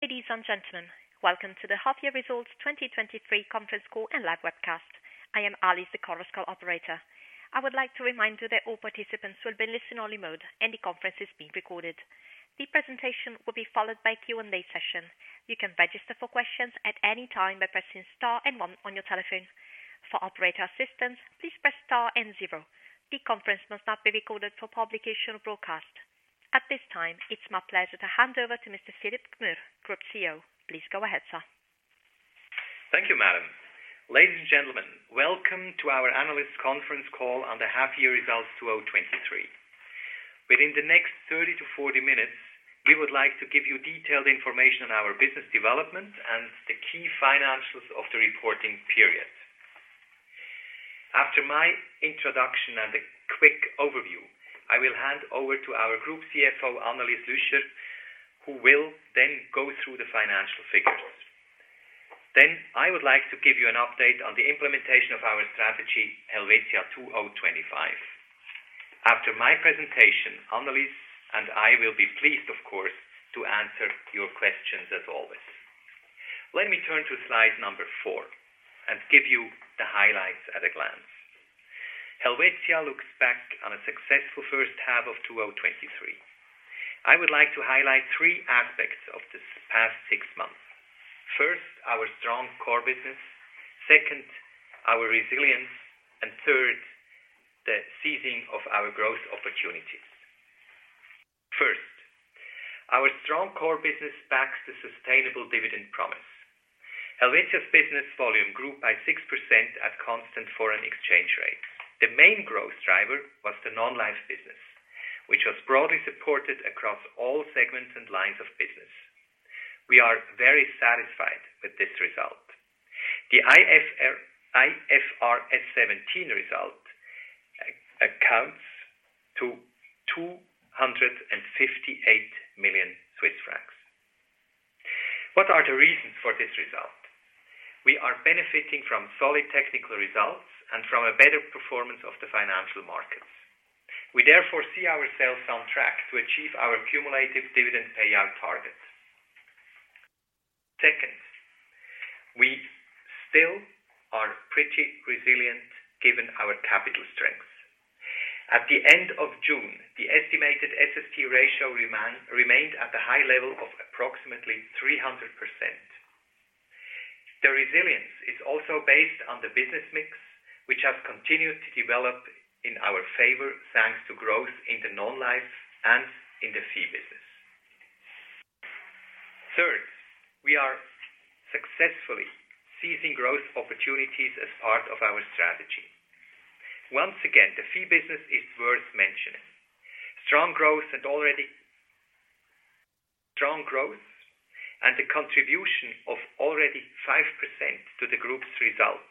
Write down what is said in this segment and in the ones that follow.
Ladies and gentlemen, welcome to the half-year results 2023 conference call and live webcast. I am Alice, the conference call operator. I would like to remind you that all participants will be in listen-only mode, and the conference is being recorded. The presentation will be followed by Q&A session. You can register for questions at any time by pressing star and one on your telephone. For operator assistance, please press star and zero. The conference must not be recorded for publication or broadcast. At this time, it's my pleasure to hand over to Mr. Philipp Gmür, Group CEO. Please go ahead, sir. Thank you, madam. Ladies and gentlemen, welcome to our analyst conference call on the half-year results, 2023. Within the next 30-40 minutes, we would like to give you detailed information on our business development and the key financials of the reporting period. After my introduction and a quick overview, I will hand over to our Group CFO, Annelis Lüscher Hämmerli, who will then go through the financial figures. Then I would like to give you an update on the implementation of our strategy, Helvetia 20.25. After my presentation, Annelis and I will be pleased, of course, to answer your questions as always. Let me turn to slide number 4 and give you the highlights at a glance. Helvetia looks back on a successful first half of 2023. I would like to highlight three aspects of this past six months. First, our strong core business, second, our resilience, and third, the seizing of our growth opportunities. First, our strong core business backs the sustainable dividend promise. Helvetia's business volume grew by 6% at constant foreign exchange rate. The main growth driver was the non-life business, which was broadly supported across all segments and lines of business. We are very satisfied with this result. The IFRS 17 result accounts to 258 million Swiss francs. What are the reasons for this result? We are benefiting from solid technical results and from a better performance of the financial markets. We therefore see ourselves on track to achieve our cumulative dividend payout target. Second, we still are pretty resilient given our capital strength. At the end of June, the estimated SST ratio remained at a high level of approximately 300%. The resilience is also based on the business mix, which has continued to develop in our favor, thanks to growth in the non-life and in the fee business. Third, we are successfully seizing growth opportunities as part of our strategy. Once again, the fee business is worth mentioning. Strong growth and the contribution of already 5% to the group's result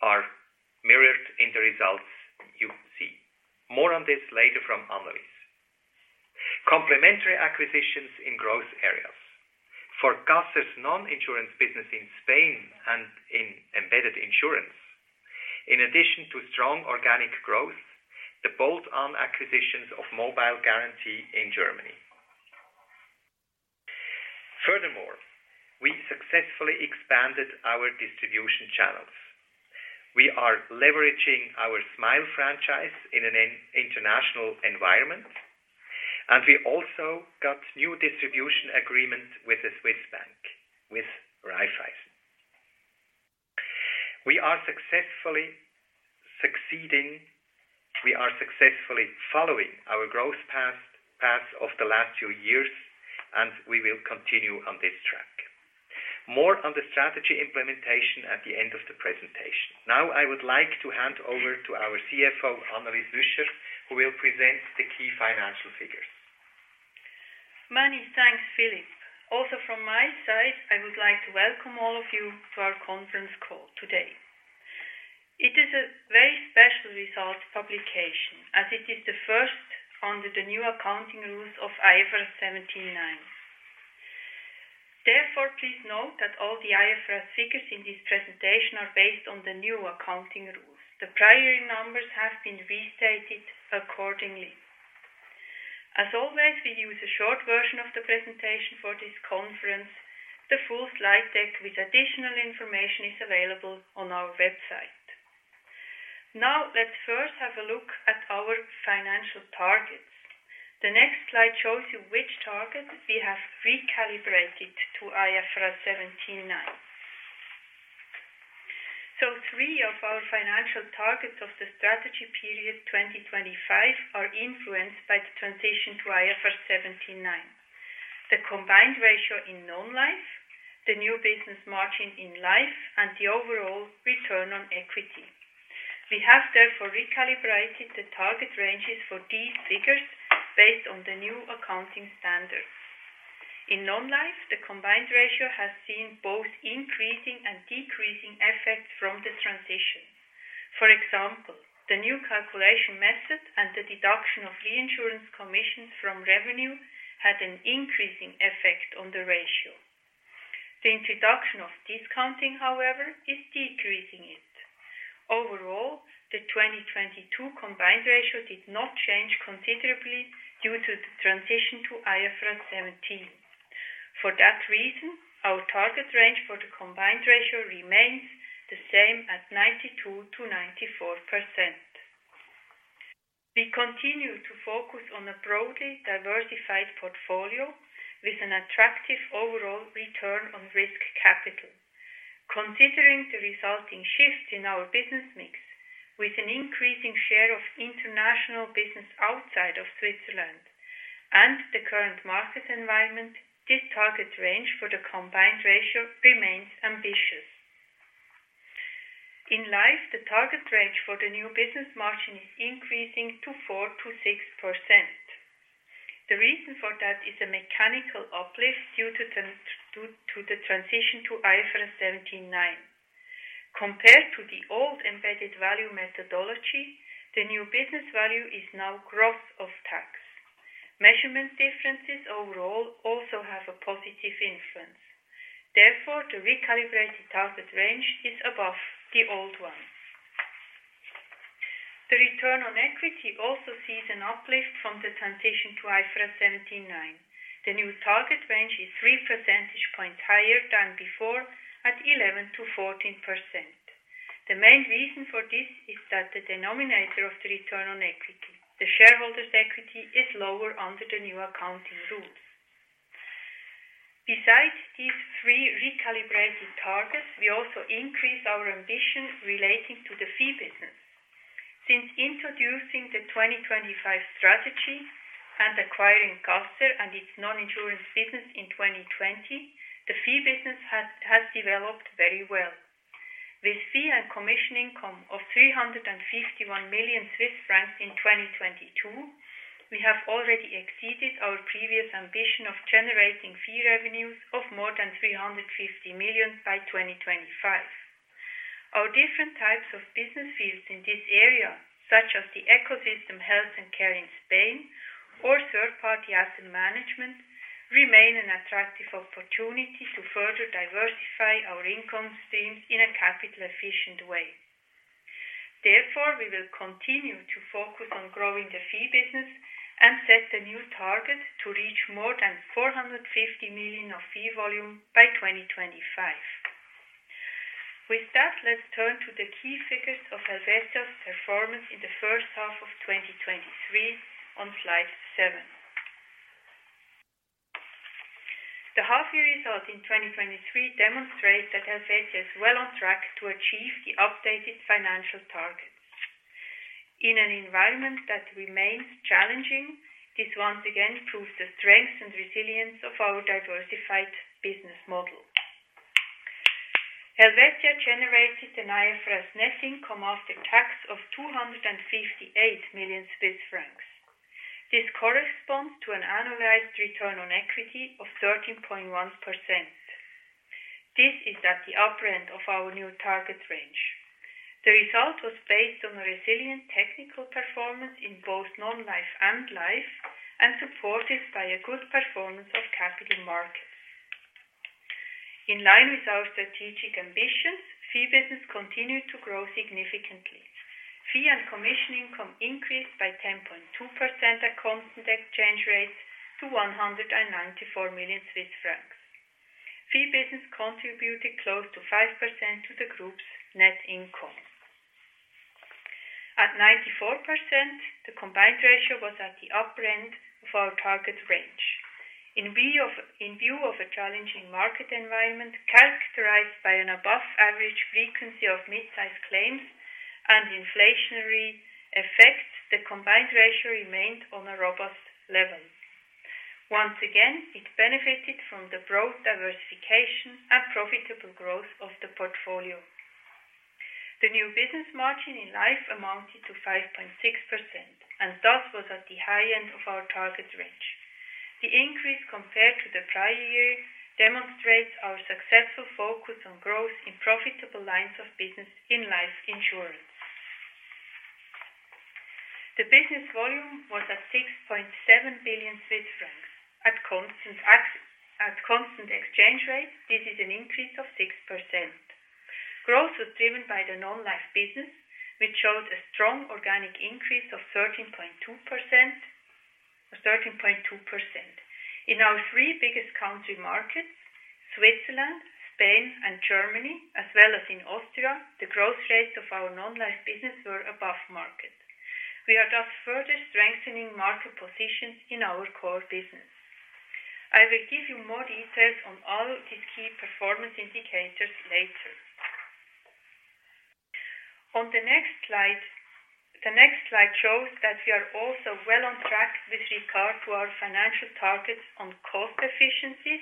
are mirrored in the results you see. More on this later from Annelis. Complementary acquisitions in growth areas. For Caser's non-insurance business in Spain and in embedded insurance, in addition to strong organic growth, the bolt-on acquisitions of Mobile Garantie in Germany. Furthermore, we successfully expanded our distribution channels. We are leveraging our Smile franchise in an international environment, and we also got new distribution agreement with Raiffeisen. We are successfully following our growth path of the last two years, and we will continue on this track. More on the strategy implementation at the end of the presentation. Now, I would like to hand over to our CFO, Annelis Lüscher, who will present the key financial figures. Many thanks, Philipp. Also from my side, I would like to welcome all of you to our conference call today. It is a very special result publication as it is the first under the new accounting rules of IFRS 17/9. Therefore, please note that all the IFRS figures in this presentation are based on the new accounting rules. The prior numbers have been restated accordingly. As always, we use a short version of the presentation for this conference. The full slide deck with additional information is available on our website. Now, let's first have a look at our financial targets. The next slide shows you which targets we have recalibrated to IFRS 17/9. So three of our financial targets of the strategy period 2025 are influenced by the transition to IFRS 17/9. The combined ratio in non-life, the new business margin in life, and the overall return on equity. We have therefore recalibrated the target ranges for these figures based on the new accounting standards. In non-life, the combined ratio has seen both increasing and decreasing effects from the transition. For example, the new calculation method and the deduction of reinsurance commissions from revenue had an increasing effect on the ratio. The introduction of discounting, however, is decreasing it. Overall, the 2022 combined ratio did not change considerably due to the transition to IFRS 17. For that reason, our target range for the combined ratio remains the same at 92%-94%. We continue to focus on a broadly diversified portfolio with an attractive overall return on risk capital. Considering the resulting shift in our business mix, with an increasing share of international business outside of Switzerland and the current market environment, this target range for the combined ratio remains ambitious. In life, the target range for the new business margin is increasing to 4%-6%. The reason for that is a mechanical uplift due to the transition to IFRS 17/9. Compared to the old embedded value methodology, the new business value is now gross of tax. Measurement differences overall also have a positive influence. Therefore, the recalibrated target range is above the old one. The return on equity also sees an uplift from the transition to IFRS 17/9. The new target range is three percentage points higher than before, at 11%-14%. The main reason for this is that the denominator of the return on equity, the shareholders' equity, is lower under the new accounting rules. Besides these three recalibrated targets, we also increase our ambition relating to the fee business. Since introducing the 2025 strategy and acquiring Caser and its non-insurance business in 2020, the fee business has developed very well. With fee and commission income of 351 million Swiss francs in 2022, we have already exceeded our previous ambition of generating fee revenues of more than 350 million by 2025. Our different types of business fields in this area, such as the ecosystem health and care in Spain or third-party asset management, remain an attractive opportunity to further diversify our income streams in a capital-efficient way. Therefore, we will continue to focus on growing the fee business and set a new target to reach more than 450 million of fee volume by 2025. With that, let's turn to the key figures of Helvetia's performance in the first half of 2023 on slide 7. The half-year result in 2023 demonstrates that Helvetia is well on track to achieve the updated financial targets. In an environment that remains challenging, this once again proves the strength and resilience of our diversified business model. Helvetia generated an IFRS net income after tax of 258 million Swiss francs. This corresponds to an annualized return on equity of 13.1%. This is at the upper end of our new target range. The result was based on a resilient technical performance in both non-life and life, and supported by a good performance of capital markets. In line with our strategic ambitions, fee business continued to grow significantly. Fee and commission income increased by 10.2% at constant exchange rates to 194 million Swiss francs. Fee business contributed close to 5% to the group's net income. At 94%, the combined ratio was at the upper end of our target range. In view of, in view of a challenging market environment, characterized by an above-average frequency of mid-sized claims and inflationary effects, the combined ratio remained on a robust level. Once again, it benefited from the broad diversification and profitable growth of the portfolio. The new business margin in life amounted to 5.6%, and thus was at the high end of our target range. The increase compared to the prior year demonstrates our successful focus on growth in profitable lines of business in life insurance. The business volume was at 6.7 billion Swiss francs. At constant exchange rate, this is an increase of 6%. Growth was driven by the non-life business, which showed a strong organic increase of 13.2%, 13.2%. In our three biggest country markets, Switzerland, Spain, and Germany, as well as in Austria, the growth rates of our non-life business were above market. We are thus further strengthening market position in our core business. I will give you more details on all these key performance indicators later. On the next slide, the next slide shows that we are also well on track with regard to our financial targets on cost efficiencies,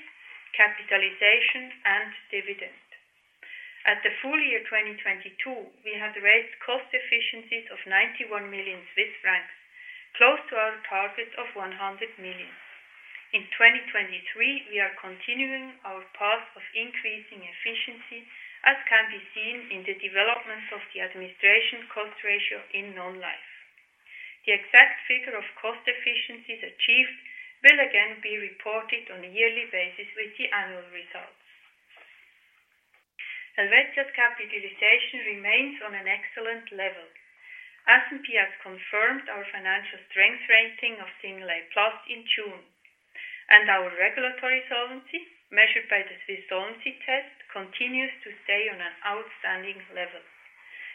capitalization, and dividend. At the full year 2022, we had raised cost efficiencies of 91 million Swiss francs, close to our target of 100 million. In 2023, we are continuing our path of increasing efficiency, as can be seen in the development of the administration cost ratio in non-life. The exact figure of cost efficiencies achieved will again be reported on a yearly basis with the annual results. Helvetia capitalization remains on an excellent level. S&P has confirmed our financial strength rating of A+ in June, and our regulatory solvency, measured by the Swiss Solvency Test, continues to stay on an outstanding level.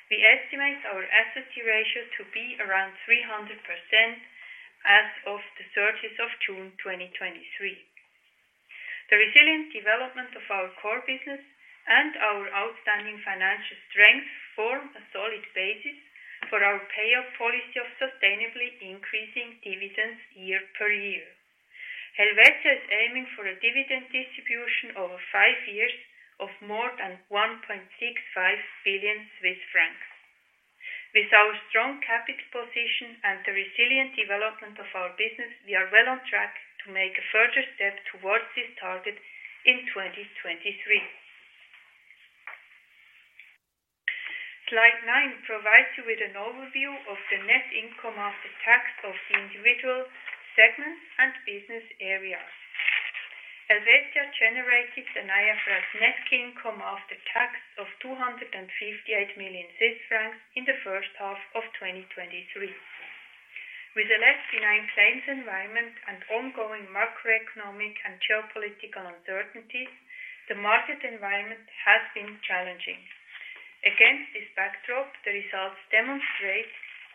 We estimate our SST ratio to be around 300% as of the 30th of June 2023. The resilient development of our core business and our outstanding financial strength form a solid basis for our payout policy of sustainably increasing dividends year per year. Helvetia is aiming for a dividend distribution over 5 years of more than 1.65 billion Swiss francs. With our strong capital position and the resilient development of our business, we are well on track to make a further step towards this target in 2023. Slide 9 provides you with an overview of the net income after tax of the individual segments and business areas. Helvetia generated an IFRS net income after tax of 258 million Swiss francs in the first half of 2023. With a less benign claims environment and ongoing macroeconomic and geopolitical uncertainties, the market environment has been challenging. Against this backdrop, the results demonstrate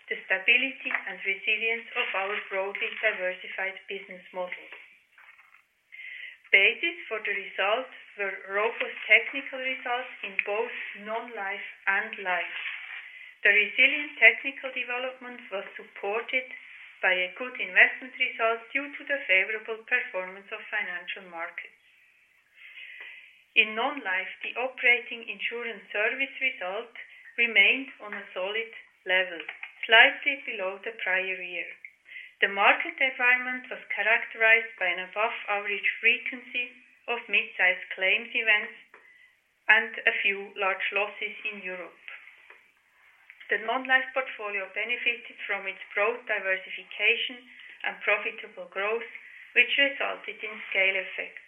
the stability and resilience of our broadly diversified business model. Basis for the results were robust technical results in both non-life and life. The resilient technical development was supported by a good investment result due to the favorable performance of financial markets. In non-life, the operating insurance service result remained on a solid level, slightly below the prior year. The market environment was characterized by an above-average frequency of mid-sized claims events and a few large losses in Europe. The non-life portfolio benefited from its broad diversification and profitable growth, which resulted in scale effects.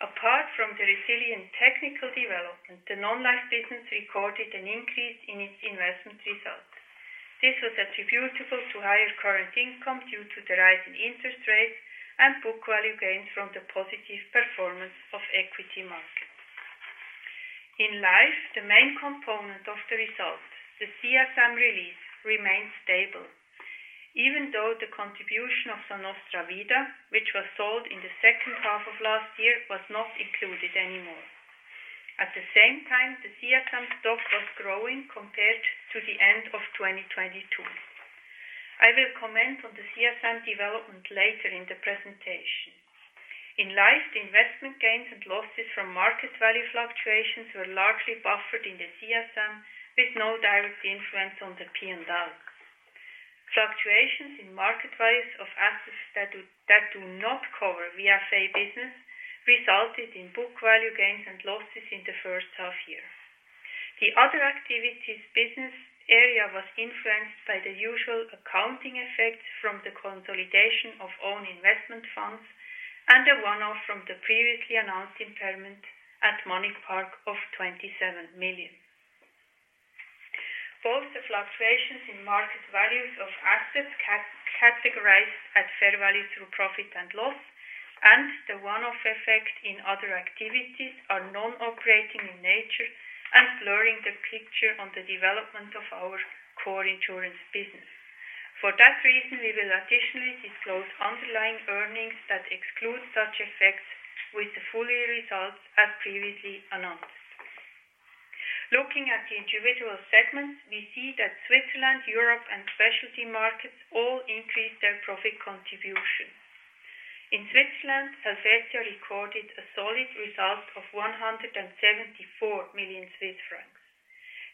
Apart from the resilient technical development, the non-life business recorded an increase in its investment result. This was attributable to higher current income due to the rise in interest rates and book value gains from the positive performance of equity markets. In life, the main component of the result, the CSM release, remained stable, even though the contribution of Sa Nostra Vida, which was sold in the second half of last year, was not included anymore. At the same time, the CSM stock was growing compared to the end of 2022. I will comment on the CSM development later in the presentation. In life, the investment gains and losses from market value fluctuations were largely buffered in the CSM, with no direct influence on the P&L. Fluctuations in market values of assets that do not cover VFA business resulted in book value gains and losses in the first half year. The other activities business area was influenced by the usual accounting effects from the consolidation of own investment funds and a one-off from the previously announced impairment at MoneyPark of 27 million. Both the fluctuations in market values of assets categorized at fair value through profit and loss, and the one-off effect in other activities are non-operating in nature and blurring the picture on the development of our core insurance business. For that reason, we will additionally disclose underlying earnings that exclude such effects with the full year results, as previously announced. Looking at the individual segments, we see that Switzerland, Europe, and Specialty Markets all increased their profit contribution. In Switzerland, Helvetia recorded a solid result of 174 million Swiss francs.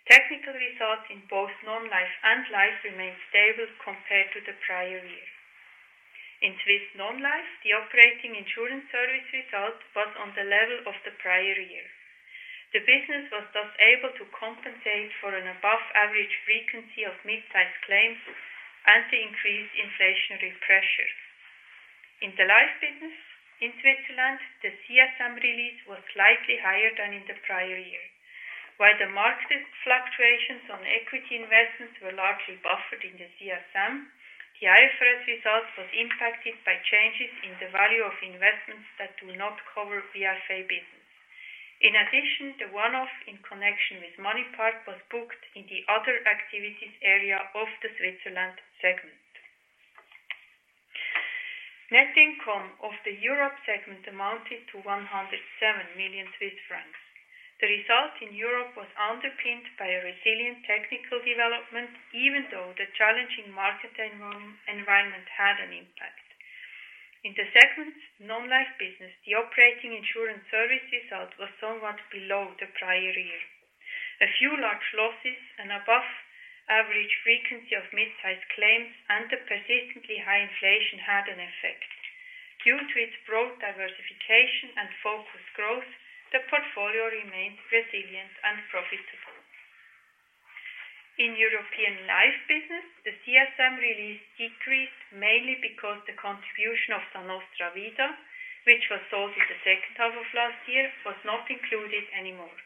Technical results in both non-life and life remained stable compared to the prior year. In Swiss non-life, the operating insurance service result was on the level of the prior year. The business was thus able to compensate for an above-average frequency of mid-sized claims and the increased inflationary pressure. In the life business in Switzerland, the CSM release was slightly higher than in the prior year. While the market fluctuations on equity investments were largely buffered in the CSM, the IFRS results was impacted by changes in the value of investments that do not cover VFA business. In addition, the one-off in connection with MoneyPark was booked in the other activities area of the Switzerland segment. Net income of the Europe segment amounted to 107 million Swiss francs. The result in Europe was underpinned by a resilient technical development, even though the challenging market environment had an impact. In the segment non-life business, the operating insurance service result was somewhat below the prior year. A few large losses, an above-average frequency of mid-sized claims, and the persistently high inflation had an effect. Due to its broad diversification and focused growth, the portfolio remained resilient and profitable. In European life business, the CSM release decreased mainly because the contribution of Sa Nostra Vida, which was sold in the second half of last year, was not included anymore.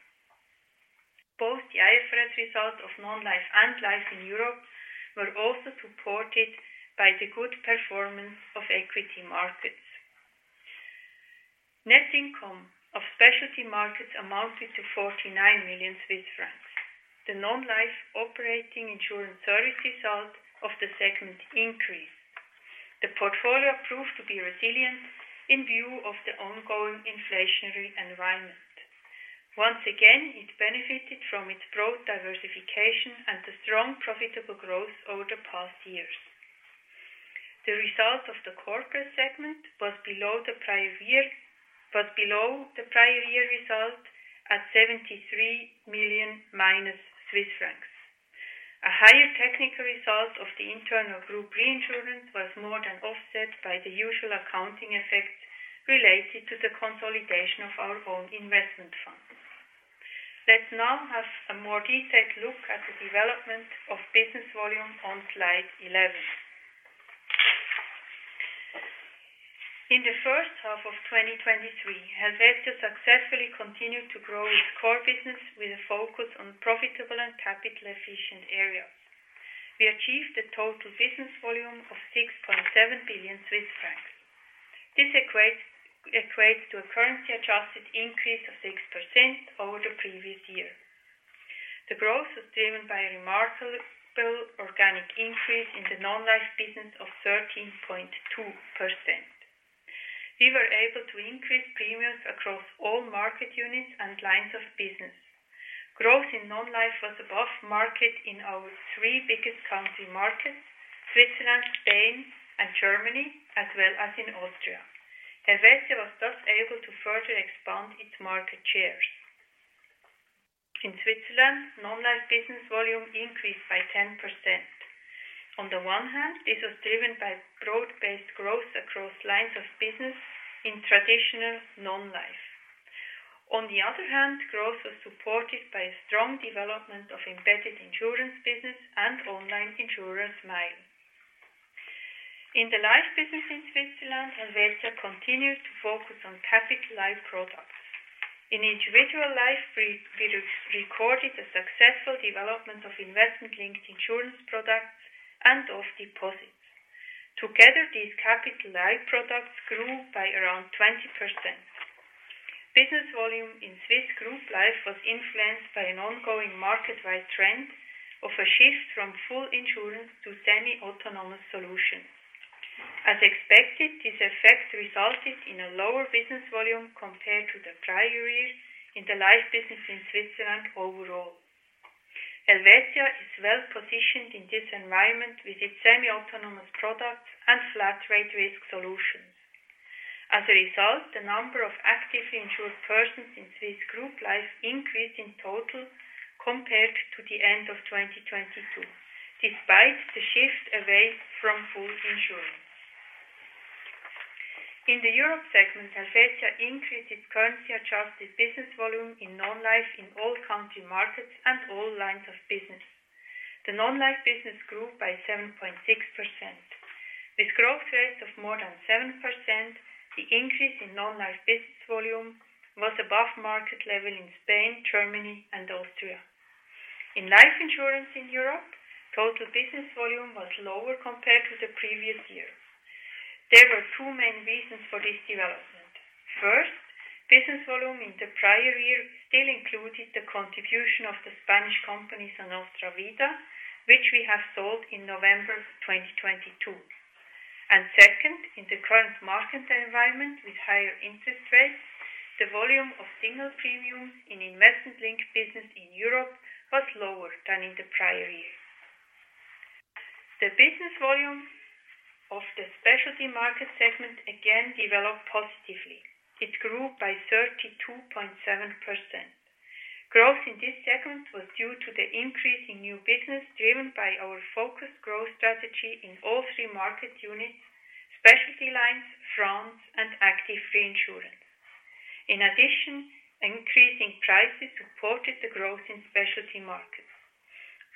Both the IFRS results of non-life and life in Europe were also supported by the good performance of equity markets. Net income of Specialty Markets amounted to 49 million Swiss francs. The non-life operating insurance service result of the segment increased. The portfolio proved to be resilient in view of the ongoing inflationary environment. Once again, it benefited from its broad diversification and the strong profitable growth over the past years. The result of the Corporate segment was below the prior year, was below the prior year result at -73 million. A higher technical result of the internal group reinsurance was more than offset by the usual accounting effects related to the consolidation of our own investment fund. Let's now have a more detailed look at the development of business volume on slide 11. In the first half of 2023, Helvetia successfully continued to grow its core business with a focus on profitable and capital efficient areas. We achieved a total business volume of 6.7 billion Swiss francs. This equates to a currency-adjusted increase of 6% over the previous year. The growth was driven by a remarkable organic increase in the non-life business of 13.2%. We were able to increase premiums across all market units and lines of business. Growth in non-life was above market in our three biggest country markets, Switzerland, Spain, and Germany, as well as in Austria. Helvetia was thus able to further expand its market shares. In Switzerland, non-life business volume increased by 10%. On the one hand, this was driven by broad-based growth across lines of business in traditional non-life. On the other hand, growth was supported by a strong development of embedded insurance business and online insurer, Smile. In the life business in Switzerland, Helvetia continued to focus on capital-light products. In individual life, we recorded a successful development of investment-linked insurance products and of deposits. Together, these capital-light products grew by around 20%. Business volume in Swiss group life was influenced by an ongoing market-wide trend of a shift from full insurance to semi-autonomous solutions. As expected, this effect resulted in a lower business volume compared to the prior year in the life business in Switzerland overall. Helvetia is well positioned in this environment with its semi-autonomous products and flat rate risk solutions. As a result, the number of actively insured persons in Swiss group life increased in total compared to the end of 2022, despite the shift away from full insurance. In the Europe segment, Helvetia increased its currency-adjusted business volume in non-life in all country markets and all lines of business. The non-life business grew by 7.6%. With growth rates of more than 7%, the increase in non-life business volume was above market level in Spain, Germany, and Austria. In life insurance in Europe, total business volume was lower compared to the previous year. There were two main reasons for this development. First, business volume in the prior year still included the contribution of the Spanish company, Sa Nostra Vida, which we have sold in November 2022. Second, in the current market environment, with higher interest rates, the volume of single premiums in investment-linked business in Europe was lower than in the prior year. The business volume of the specialty market segment again developed positively. It grew by 32.7%. Growth in this segment was due to the increase in new business, driven by our focused growth strategy in all three market units: Specialty Lines, France, and Active Reinsurance. In addition, increasing prices supported the growth in Specialty Markets.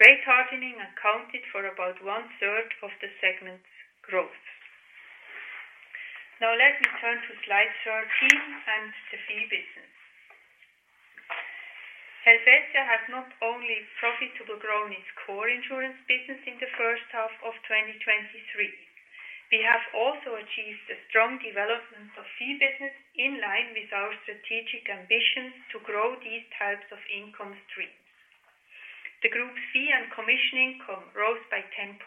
Rate hardening accounted for about one-third of the segment's growth. Now let me turn to slide 13 and the fee business. Helvetia has not only profitably grown its core insurance business in the first half of 2023. We have also achieved a strong development of fee business in line with our strategic ambition to grow these types of income streams. The group fee and commission income rose by 10.2%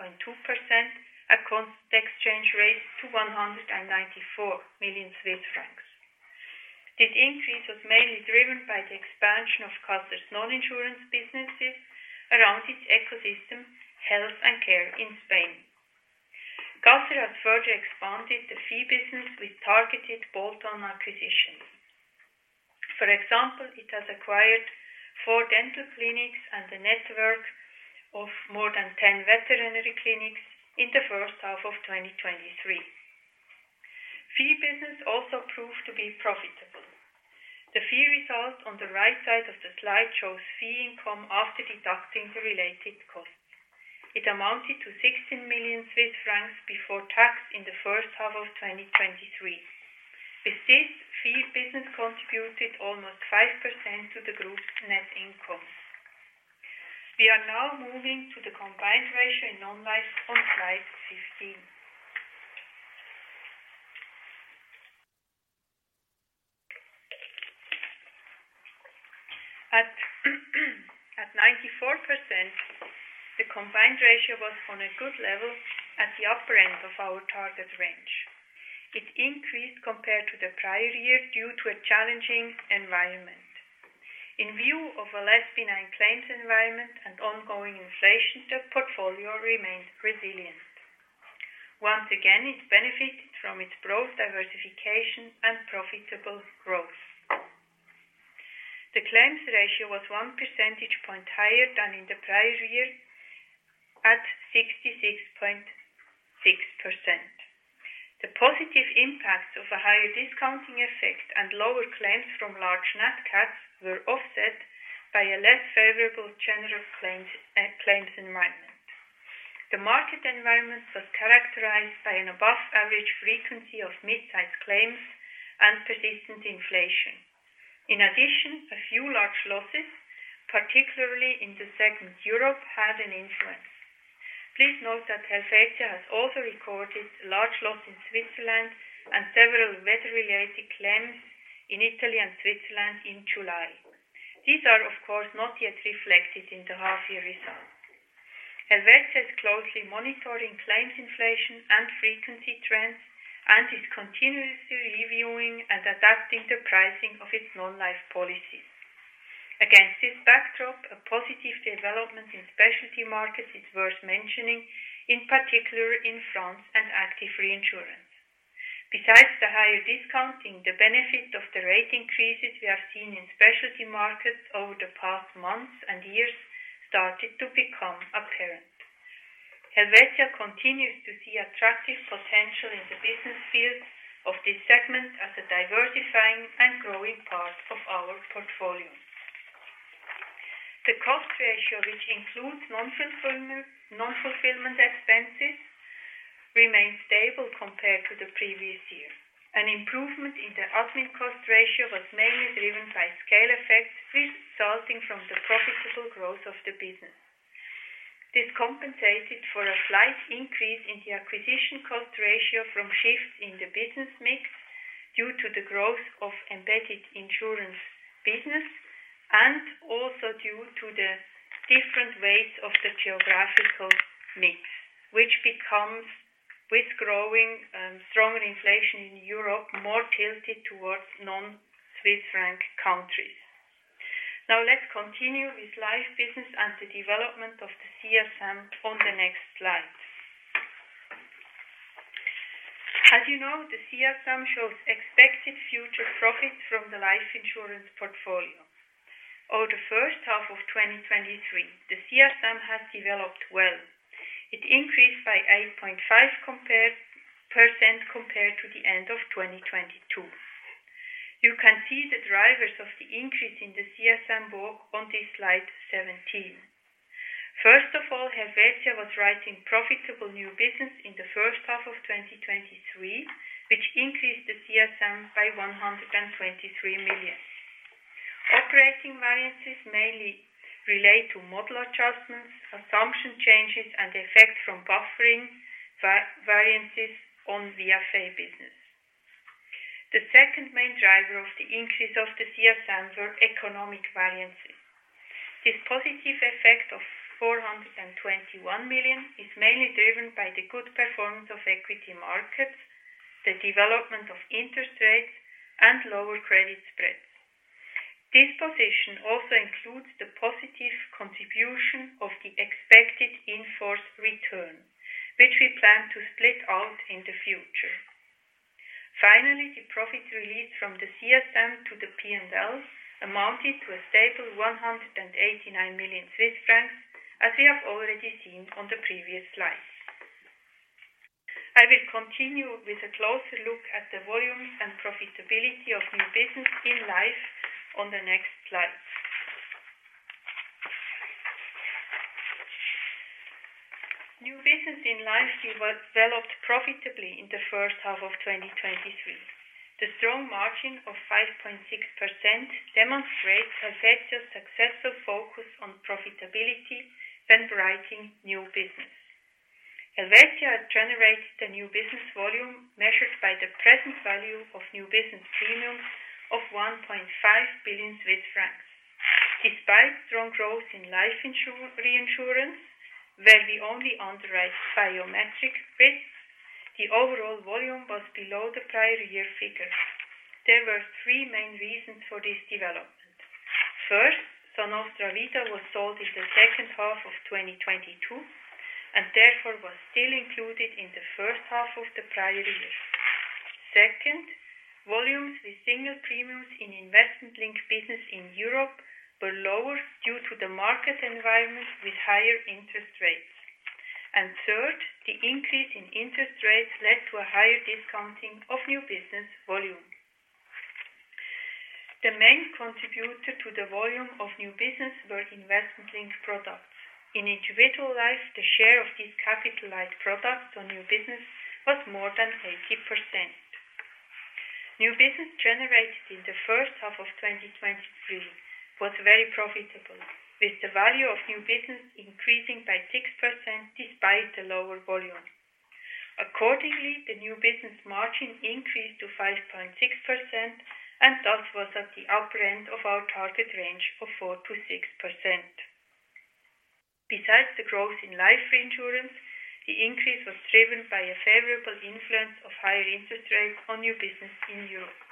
at constant exchange rates to 194 million Swiss francs. This increase was mainly driven by the expansion of Caser's non-insurance businesses around its ecosystem, Health & Care in Spain. Caser has further expanded the fee business with targeted bolt-on acquisitions. For example, it has acquired four dental clinics and a network of more than 10 veterinary clinics in the first half of 2023. Fee business also proved to be profitable. The fee result on the right side of the slide shows fee income after deducting the related costs. It amounted to 16 million Swiss francs before tax in the first half of 2023. With this, fee business contributed almost 5% to the group's net income. We are now moving to the combined ratio in non-life on slide 15. At 94%, the combined ratio was on a good level at the upper end of our targeted range. It increased compared to the prior year due to a challenging environment. In view of a less benign claims environment and ongoing inflation, the portfolio remained resilient. Once again, it benefited from its broad diversification and profitable growth. The claims ratio was one percentage point higher than in the prior year at 66.6%. The positive impact of a higher discounting effect and lower claims from large nat cats were offset by a less favorable general claims, claims environment. The market environment was characterized by an above-average frequency of mid-sized claims and persistent inflation. In addition, a few large losses, particularly in the segment Europe, had an influence. Please note that Helvetia has also recorded a large loss in Switzerland and several weather-related claims in Italy and Switzerland in July. These are, of course, not yet reflected in the half-year result. Helvetia is closely monitoring claims inflation and frequency trends, and is continuously reviewing and adapting the pricing of its non-life policies. Against this backdrop, a positive development in Specialty Markets is worth mentioning, in particular in France and Active Reinsurance. Besides the higher discounting, the benefit of the rate increases we have seen in Specialty Markets over the past months and years started to become apparent. Helvetia continues to see attractive potential in the business field of this segment as a diversifying and growing part of our portfolio. The cost ratio, which includes non-fulfillment, non-fulfillment expenses, remained stable compared to the previous year. An improvement in the admin cost ratio was mainly driven by scale effects resulting from the profitable growth of the business. This compensated for a slight increase in the acquisition cost ratio from shifts in the business mix, due to the growth of embedded insurance business, and also due to the different weights of the geographical mix, which becomes, with growing, stronger inflation in Europe, more tilted towards non-Swiss franc countries. Now, let's continue with life business and the development of the CSM on the next slide. As you know, the CSM shows expected future profits from the life insurance portfolio. Over the first half of 2023, the CSM has developed well. It increased by 8.5% compared to the end of 2022. You can see the drivers of the increase in the CSM book on this slide 17. First of all, Helvetia was writing profitable new business in the first half of 2023, which increased the CSM by 123 million. Operating variances mainly relate to model adjustments, assumption changes, and effect from buffering VFA variances on the VFA business. The second main driver of the increase of the CSM were economic variances. This positive effect of 421 million is mainly driven by the good performance of equity markets, the development of interest rates, and lower credit spreads. This position also includes the positive contribution of the expected in-force return, which we plan to split out in the future. Finally, the profit released from the CSM to the P&Ls amounted to a stable 189 million Swiss francs, as we have already seen on the previous slide. I will continue with a closer look at the volumes and profitability of new business in life on the next slide. New business in life developed profitably in the first half of 2023. The strong margin of 5.6% demonstrates Helvetia's successful focus on profitability when writing new business. Helvetia generated a new business volume measured by the present value of new business premiums of 1.5 billion Swiss francs. Despite strong growth in life reinsurance, where we only underwrite biometric risks, the overall volume was below the prior year figure. There were three main reasons for this development. First, Sa Nostra Vida was sold in the second half of 2022, and therefore was still included in the first half of the prior year. Second, volumes with single premiums in investment-linked business in Europe were lower due to the market environment with higher interest rates. Third, the increase in interest rates led to a higher discounting of new business volume. The main contributor to the volume of new business were investment-linked products. In individual life, the share of these capitalized products on new business was more than 80%. New business generated in the first half of 2023 was very profitable, with the value of new business increasing by 6% despite the lower volume. Accordingly, the new business margin increased to 5.6%, and thus was at the upper end of our target range of 4%-6%. Besides the growth in life reinsurance, the increase was driven by a favorable influence of higher interest rates on new business in Europe.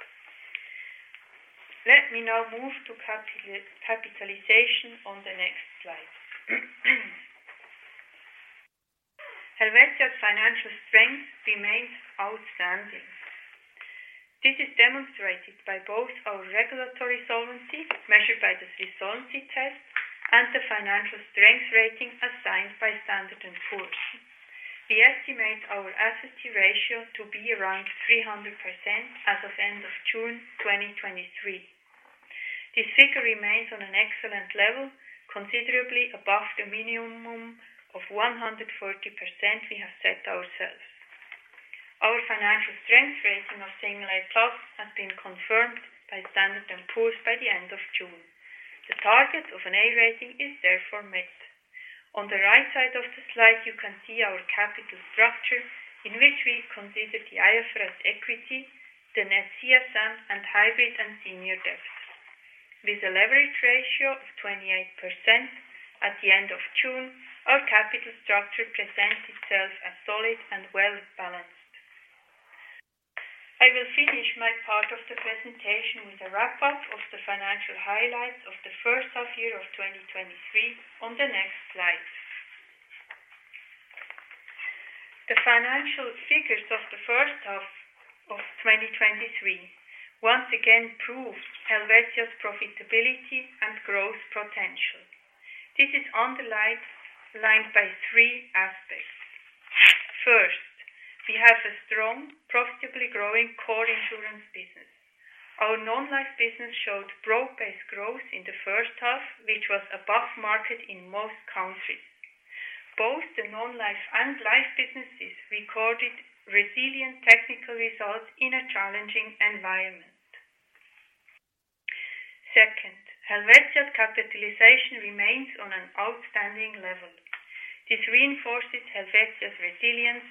Let me now move to capitalization on the next slide. Helvetia's financial strength remains outstanding. This is demonstrated by both our regulatory solvency, measured by the solvency test and the financial strength rating assigned by Standard & Poor's. We estimate our SST ratio to be around 300% as of end of June 2023. This figure remains on an excellent level, considerably above the minimum of 140% we have set ourselves. Our financial strength rating of single A+ has been confirmed by Standard & Poor's by the end of June. The target of an A rating is therefore met. On the right side of the slide, you can see our capital structure, in which we consider the IFRS equity, the net CSM, and hybrid and senior debt. With a leverage ratio of 28% at the end of June, our capital structure presents itself as solid and well-balanced. I will finish my part of the presentation with a wrap-up of the financial highlights of the first half year of 2023 on the next slide. The financial figures of the first half of 2023 once again proved Helvetia's profitability and growth potential. This is underlined by three aspects. First, we have a strong, profitably growing core insurance business. Our non-life business showed broad-based growth in the first half, which was above market in most countries. Both the non-life and life businesses recorded resilient technical results in a challenging environment. Second, Helvetia's capitalization remains on an outstanding level. This reinforces Helvetia's resilience,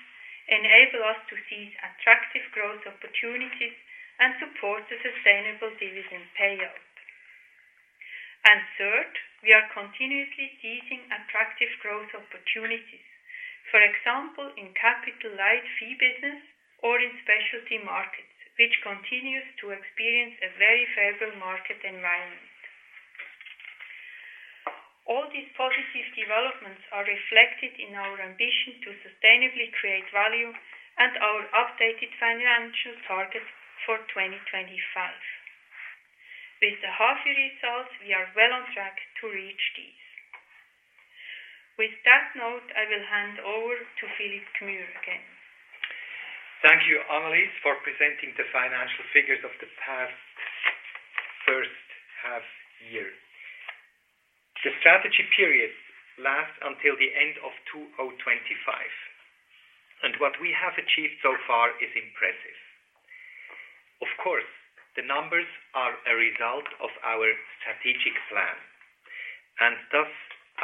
enable us to seize attractive growth opportunities, and support a sustainable dividend payout. And third, we are continuously seizing attractive growth opportunities. For example, in capital-light fee business or in Specialty Markets, which continues to experience a very favorable market environment. All these positive developments are reflected in our ambition to sustainably create value and our updated financial targets for 2025. With the half-year results, we are well on track to reach these. With that note, I will hand over to Philipp Gmür again. Thank you, Annelis, for presenting the financial figures of the past first half year. The strategy period lasts until the end of 2025, and what we have achieved so far is impressive. Of course, the numbers are a result of our strategic plan, and thus,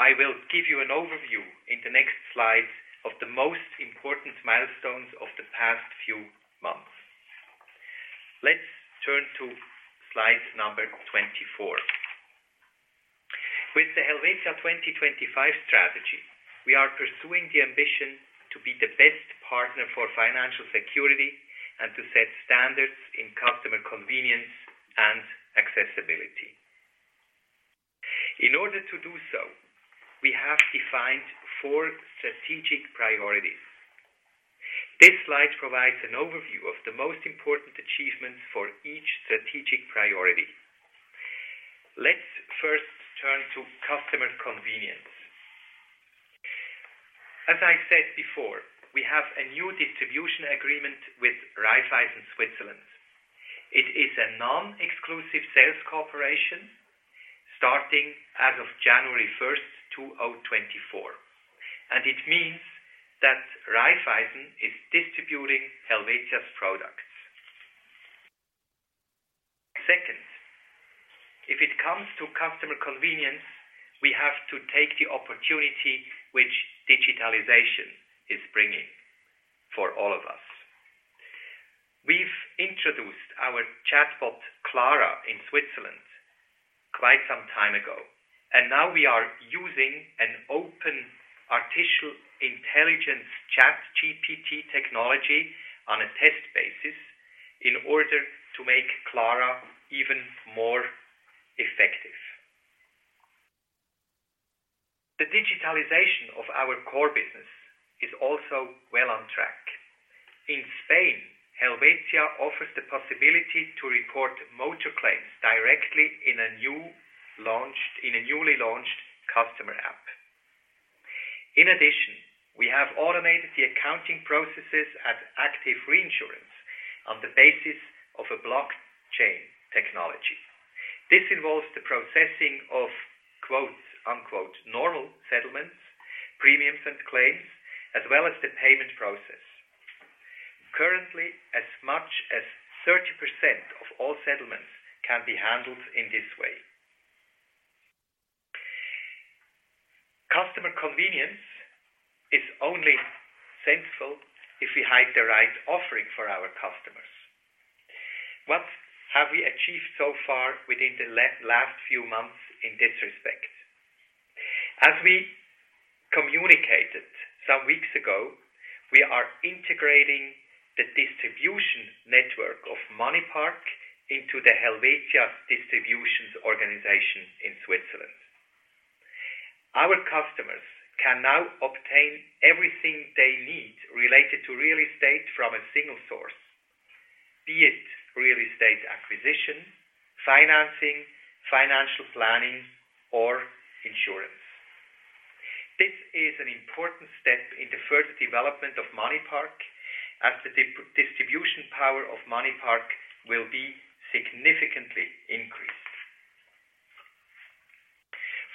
I will give you an overview in the next slide of the most important milestones of the past few months. Let's turn to slide number 24. With the Helvetia 20.25 strategy, we are pursuing the ambition to be the best partner for financial security and to set standards in customer convenience and accessibility. In order to do so, we have defined four strategic priorities. This slide provides an overview of the most important achievements for each strategic priority. Let's first turn to customer convenience. As I said before, we have a new distribution agreement with Raiffeisen Switzerland. It is a non-exclusive sales cooperation starting as of January 1st, 2024, and it means that Raiffeisen is distributing Helvetia's products. Second, if it comes to customer convenience, we have to take the opportunity which digitalization is bringing for all of us. We've introduced our chatbot, Clara, in Switzerland quite some time ago, and now we are using an open artificial intelligence ChatGPT technology on a test basis in order to make Clara even more effective. The digitalization of our core business is also well on track. In Spain, Helvetia offers the possibility to report motor claims directly in a newly launched customer app. In addition, we have automated the accounting processes at Active Reinsurance on the basis of a blockchain technology. This involves the processing of "normal settlements, premiums, and claims, as well as the payment process." Currently, as much as 30% of all settlements can be handled in this way. Customer convenience is only sensible if we have the right offering for our customers. What have we achieved so far within the last few months in this respect? As we communicated some weeks ago, we are integrating the distribution network of MoneyPark into Helvetia's distribution organization in Switzerland. Our customers can now obtain everything they need related to real estate from a single source, be it real estate acquisition, financing, financial planning, or insurance. This is an important step in the further development of MoneyPark, as the distribution power of MoneyPark will be significantly increased.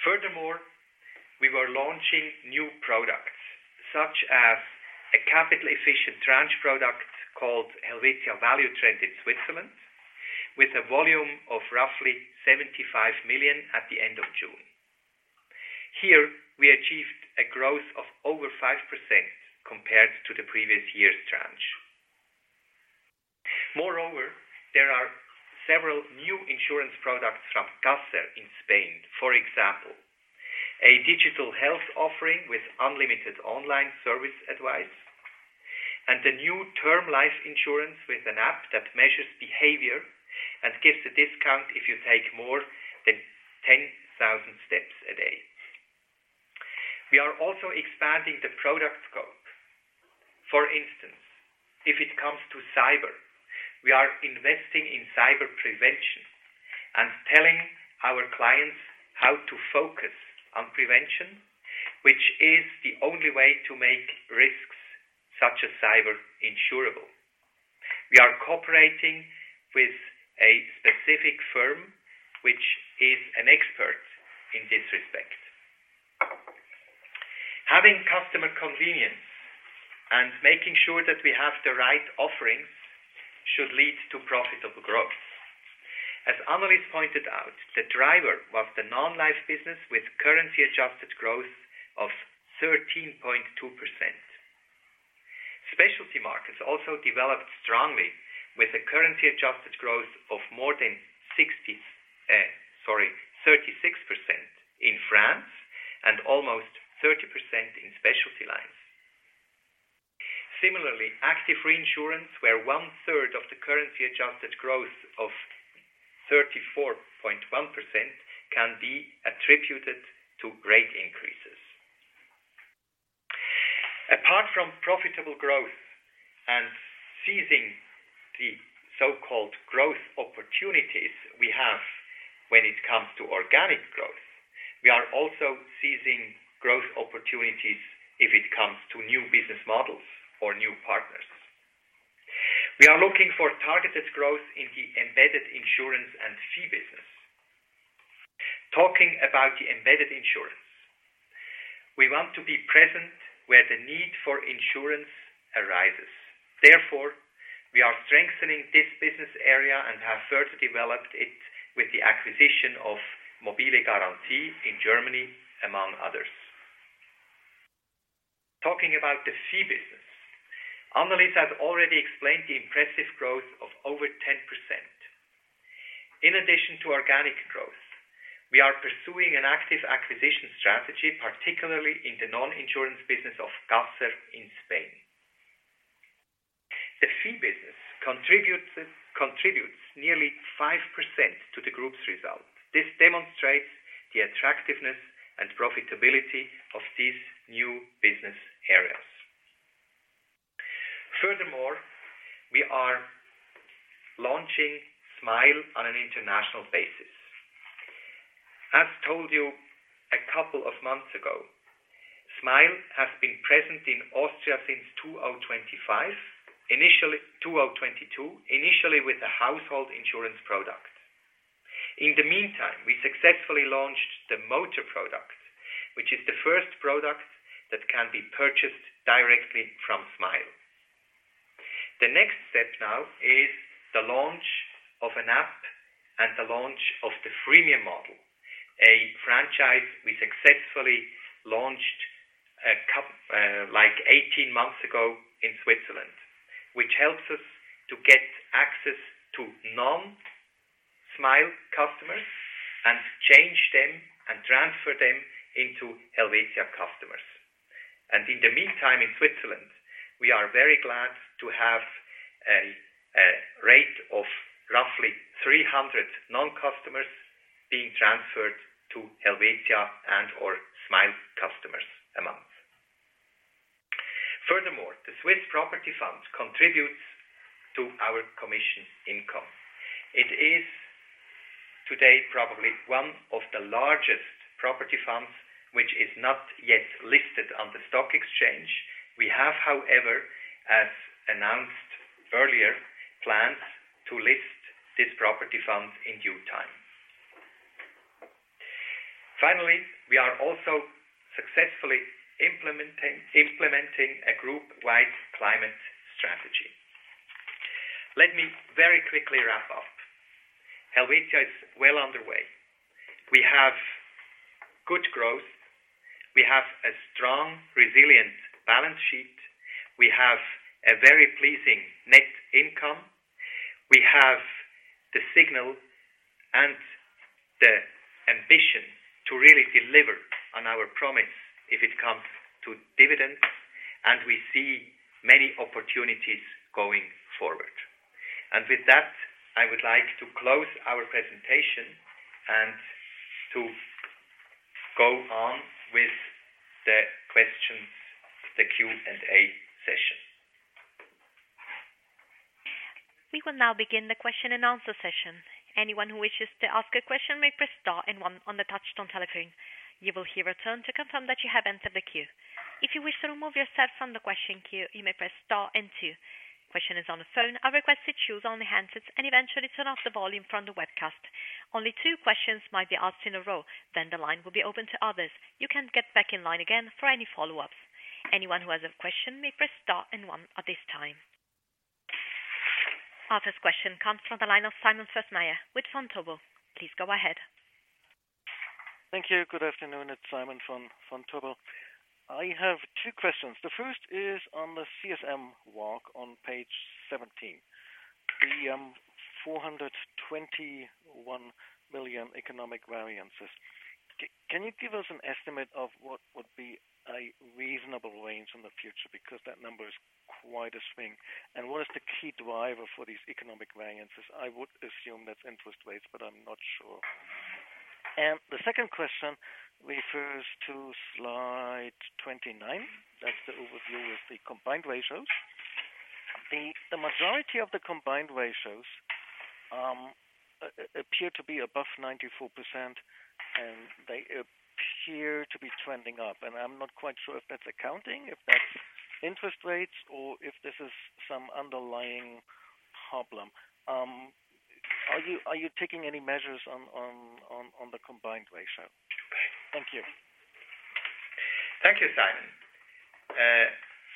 Furthermore, we were launching new products, such as a capital-efficient tranche product called Helvetia Value Trend in Switzerland, with a volume of roughly 75 million at the end of June. Here, we achieved a growth of over 5% compared to the previous year's tranche. Moreover, there are several new insurance products from Caser in Spain, for example, a digital health offering with unlimited online service advice, and a new term life insurance with an app that measures behavior and gives a discount if you take more than 10,000 steps a day. We are also expanding the product scope. For instance, if it comes to cyber, we are investing in cyber prevention and telling our clients how to focus on prevention, which is the only way to make risks such as cyber insurable. We are cooperating with a specific firm, which is an expert in this respect. Having customer convenience and making sure that we have the right offerings should lead to profitable growth. As Annelis pointed out, the driver was the non-life business, with currency-adjusted growth of 13.2%. Specialty markets also developed strongly, with a currency-adjusted growth of more than 60, 36% in France and almost 30% in Specialty Lines. Similarly, Active Reinsurance, where one-third of the currency-adjusted growth of 34.1% can be attributed to rate increases. Apart from profitable growth and seizing the so-called growth opportunities we have when it comes to organic growth, we are also seizing growth opportunities if it comes to new business models or new partners. We are looking for targeted growth in the embedded insurance and fee business. Talking about the embedded insurance, we want to be present where the need for insurance arises. Therefore, we are strengthening this business area and have further developed it with the acquisition of Mobile Garantie in Germany, among others. Talking about the fee business, Annelis has already explained the impressive growth of over 10%. In addition to organic growth, we are pursuing an active acquisition strategy, particularly in the non-insurance business of Caser in Spain. The fee business contributes nearly 5% to the group's results. This demonstrates the attractiveness and profitability of these new business areas. Furthermore, we are launching Smile on an international basis. As told you a couple of months ago, Smile has been present in Austria since 2022, initially with a household insurance product. In the meantime, we successfully launched the motor product, which is the first product that can be purchased directly from Smile. The next step now is the launch of an app and the launch of the freemium model, a franchise we successfully launched like 18 months ago in Switzerland, which helps us to get access to non-insurance Smile customers and change them and transfer them into Helvetia customers. In the meantime, in Switzerland, we are very glad to have a rate of roughly 300 non-customers being transferred to Helvetia and or Smile customers a month. Furthermore, the Swiss Property Fund contributes to our commission income. It is today probably one of the largest property funds, which is not yet listed on the stock exchange. We have, however, as announced earlier, plans to list this property fund in due time. Finally, we are also successfully implementing a group-wide climate strategy. Let me very quickly wrap up. Helvetia is well underway. We have good growth, we have a strong, resilient balance sheet, we have a very pleasing net income. We have the signal and the ambition to really deliver on our promise if it comes to dividends, and we see many opportunities going forward. With that, I would like to close our presentation and to go on with the questions, the Q&A session. We will now begin the question-and-answer-session. Anyone who wishes to ask a question may press star and one on the touch-tone telephone. You will hear a tone to confirm that you have entered the queue. If you wish to remove yourself from the question queue, you may press star and two. Questioners on the phone are requested to choose only handsets and eventually turn off the volume from the webcast. Only two questions might be asked in a row, then the line will be open to others. You can get back in line again for any follow-ups. Anyone who has a question may press star and one at this time. First question comes from the line of Simon Fössmeier with Vontobel. Please go ahead. Thank you. Good afternoon, it's Simon from Vontobel. I have two questions. The first is on the CSM walk on page 17, the 421 million economic variances. Can you give us an estimate of what would be a reasonable range in the future? Because that number is quite a swing. And what is the key driver for these economic variances? I would assume that's interest rates, but I'm not sure. And the second question refers to slide 29. That's the overview with the combined ratios. The majority of the combined ratios appear to be above 94%, and they appear to be trending up. And I'm not quite sure if that's accounting, if that's interest rates, or if this is some underlying problem. Are you taking any measures on the combined ratio? Thank you. Thank you, Simon.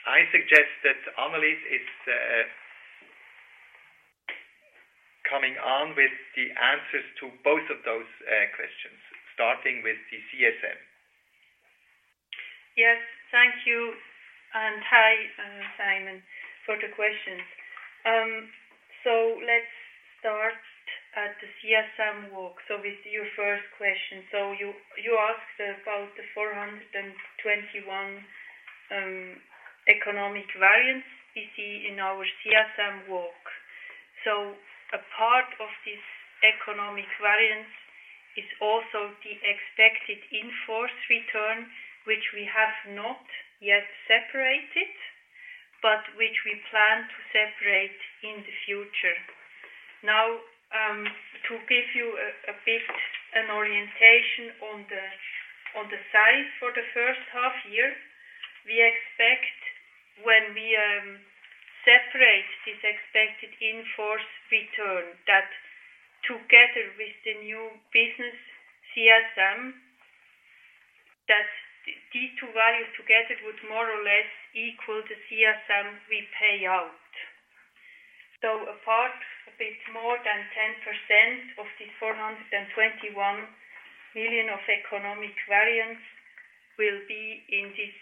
I suggest that Annelis is coming on with the answers to both of those questions, starting with the CSM. Yes, thank you, and hi, Simon, for the questions. So let's start at the CSM walk. So with your first question. So you asked about the 421 economic variance we see in our CSM walk. So a part of this economic variance is also the expected in-force return, which we have not yet separated, but which we plan to separate in the future. Now, to give you a bit an orientation on the size for the first half year, we expect when we separate this expected in-force return, that together with the new business CSM, that these two values together would more or less equal the CSM we pay out. So a part, a bit more than 10% of this 421 million of economic variance will be in this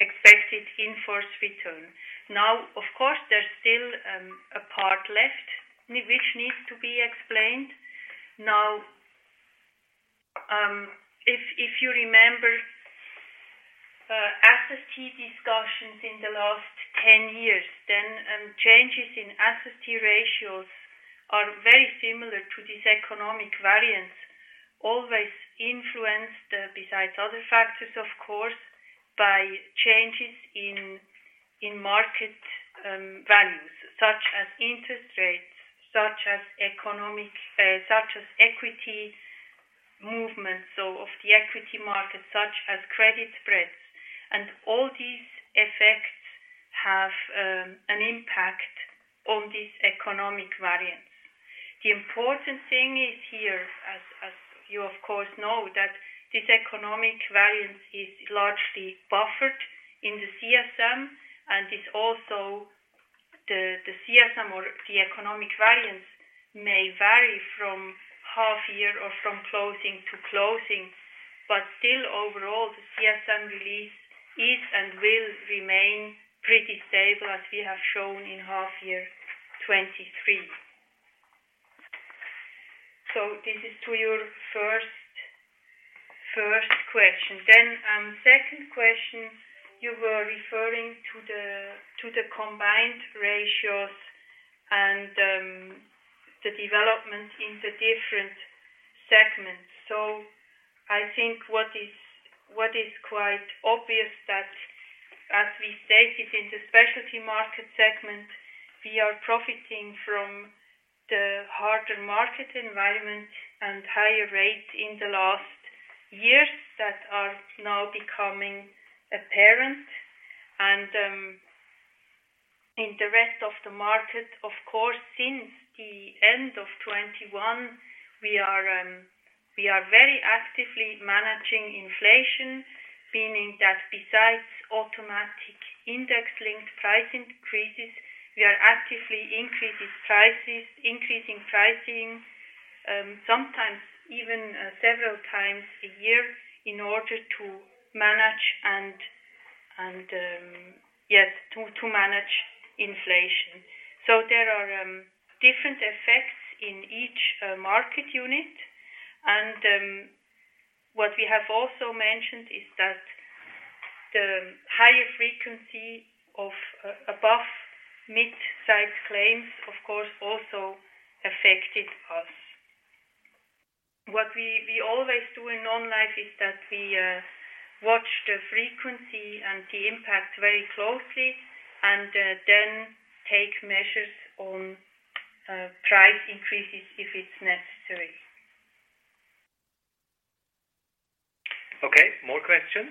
expected in-force return. Now, of course, there's still a part left, which needs to be explained. Now, if you remember SST discussions in the last 10 years, then changes in SST ratios are very similar to this economic variance, always influenced, besides other factors, of course, by changes in market values, such as interest rates, such as equity movement, so of the equity market, such as credit spreads. And all these effects have an impact on this economic variance. The important thing is here, as you of course know, that this economic variance is largely buffered in the CSM, and it's also the CSM or the economic variance may vary from half year or from closing to closing. But still overall, the CSM release is and will remain pretty stable as we have shown in half year 2023. So this is to your first, first question. Then, second question, you were referring to the, to the combined ratios and, the development in the different segments. So I think what is, what is quite obvious that as we stated in the specialty market segment, we are profiting from the harder market environment and higher rates in the last years that are now becoming apparent. And, in the rest of the market, of course, since the end of 2021, we are, we are very actively managing inflation, meaning that besides automatic index-linked price increases, we are actively increasing prices, increasing pricing, sometimes even, several times a year in order to manage and, and, yes, to, to manage inflation. So there are different effects in each market unit. And what we have also mentioned is that the higher frequency of above mid-size claims, of course, also affected us. What we always do in non-life is that we watch the frequency and the impact very closely and then take measures on price increases if it's necessary. Okay, more questions?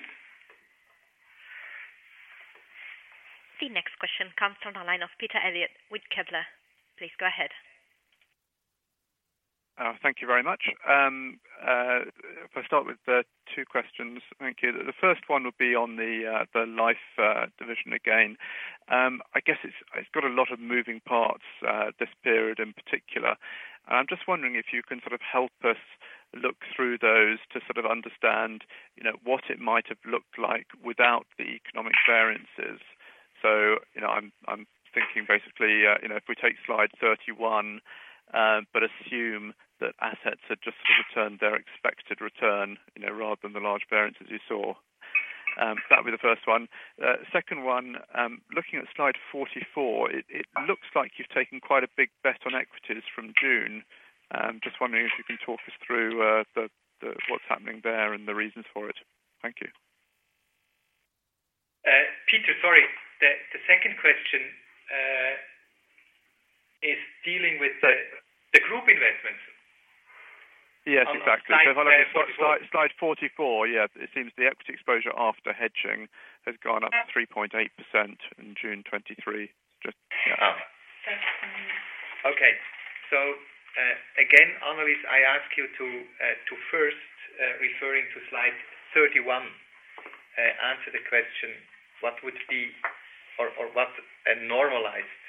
The next question comes from the line of Peter Eliot with Kepler. Please go ahead. Thank you very much. If I start with the two questions. Thank you. The first one would be on the life division again. I guess it's got a lot of moving parts, this period in particular. I'm just wondering if you can sort of help us look through those to sort of understand, you know, what it might have looked like without the economic variances. So, you know, I'm thinking basically, you know, if we take slide 31, but assume that assets had just returned their expected return, you know, rather than the large variances you saw. That'll be the first one. Second one, looking at slide 44, it looks like you've taken quite a big bet on equities from June. Just wondering if you can talk us through what's happening there and the reasons for it. Thank you. Peter, sorry. The, the second question, is dealing with the, the group investments? Yes, exactly. Slide 44. Slide 44. Yeah, it seems the equity exposure after hedging has gone up 3.8% in June 2023. Just, yeah. That's right. Okay. So, again, Annelis, I ask you to first, referring to slide 31, answer the question, what would be or, or what a normalized,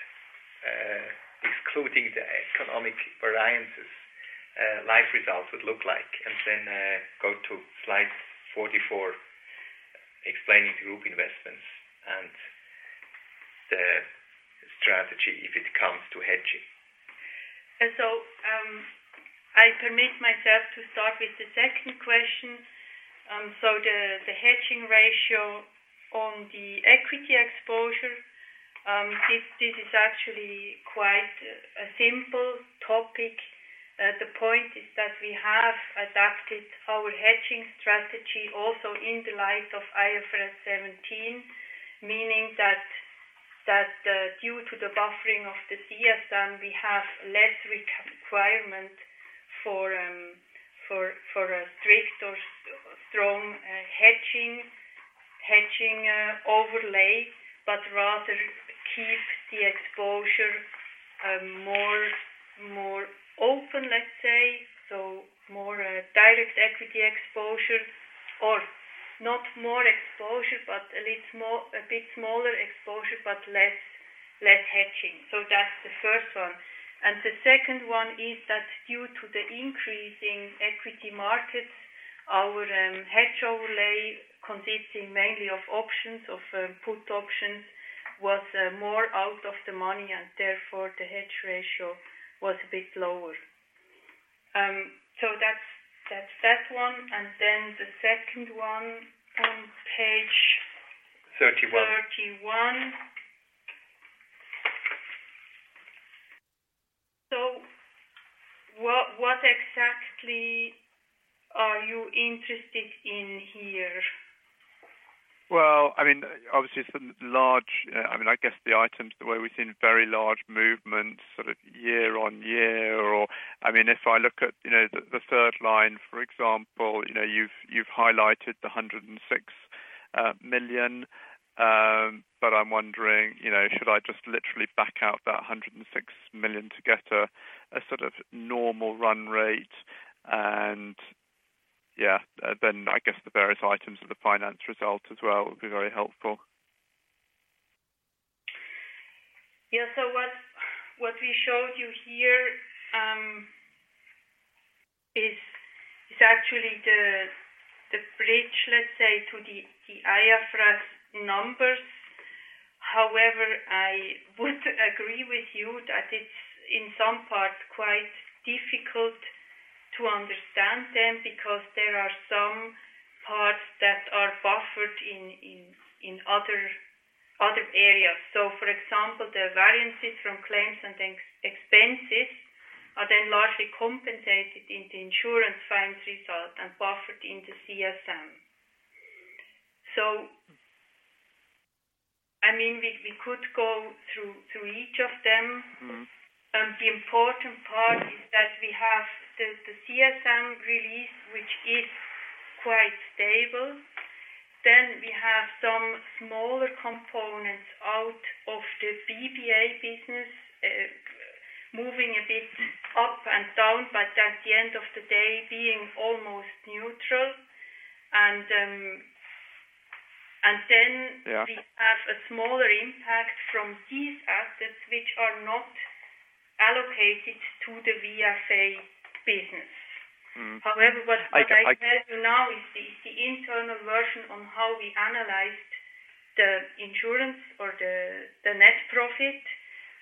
excluding the economic variances, life results would look like? And then, go to slide 44, explaining group investments and the strategy, if it comes to hedging. So, I permit myself to start with the second question. So the hedging ratio on the equity exposure, this is actually quite a simple topic. The point is that we have adapted our hedging strategy also in the light of IFRS 17, meaning that due to the buffering of the CSM, we have less requirement for a strict or strong hedging overlay, but rather keep the exposure more open, let's say. So more direct equity exposure, or not more exposure, but a little more, a bit smaller exposure, but less hedging. So that's the first one. And the second one is that due to the increasing equity markets, our hedge overlay, consisting mainly of options, of put options, was more out of the money, and therefore, the hedge ratio was a bit lower. So that's, that's that one, and then the second one on page. 31. 31. So what, what exactly are you interested in here? Well, I mean, obviously, some large, I mean, I guess the items, the way we've seen very large movements, sort of year-on-year, or, I mean, if I look at, you know, the, the third line, for example, you know, you've, you've highlighted the 106 million. But I'm wondering, you know, should I just literally back out that 106 million to get a, a sort of normal run rate? And, yeah, then I guess the various items of the finance result as well, would be very helpful. Yeah, so what we showed you here is actually the bridge, let's say, to the IFRS numbers. However, I would agree with you that it's in some part quite difficult to understand them, because there are some parts that are buffered in other areas. So for example, the variances from claims and expenses are then largely compensated in the insurance finance result and buffered in the CSM. So I mean, we could go through each of them. The important part is that we have the CSM release, which is quite stable. Then we have some smaller components out of the BBA business, moving a bit up and down, but at the end of the day, being almost neutral. And then. Yeah. We have a smaller impact from these assets, which are not allocated to the VFA business. However, what I can tell you now is the internal version on how we analyzed the insurance or the net profit,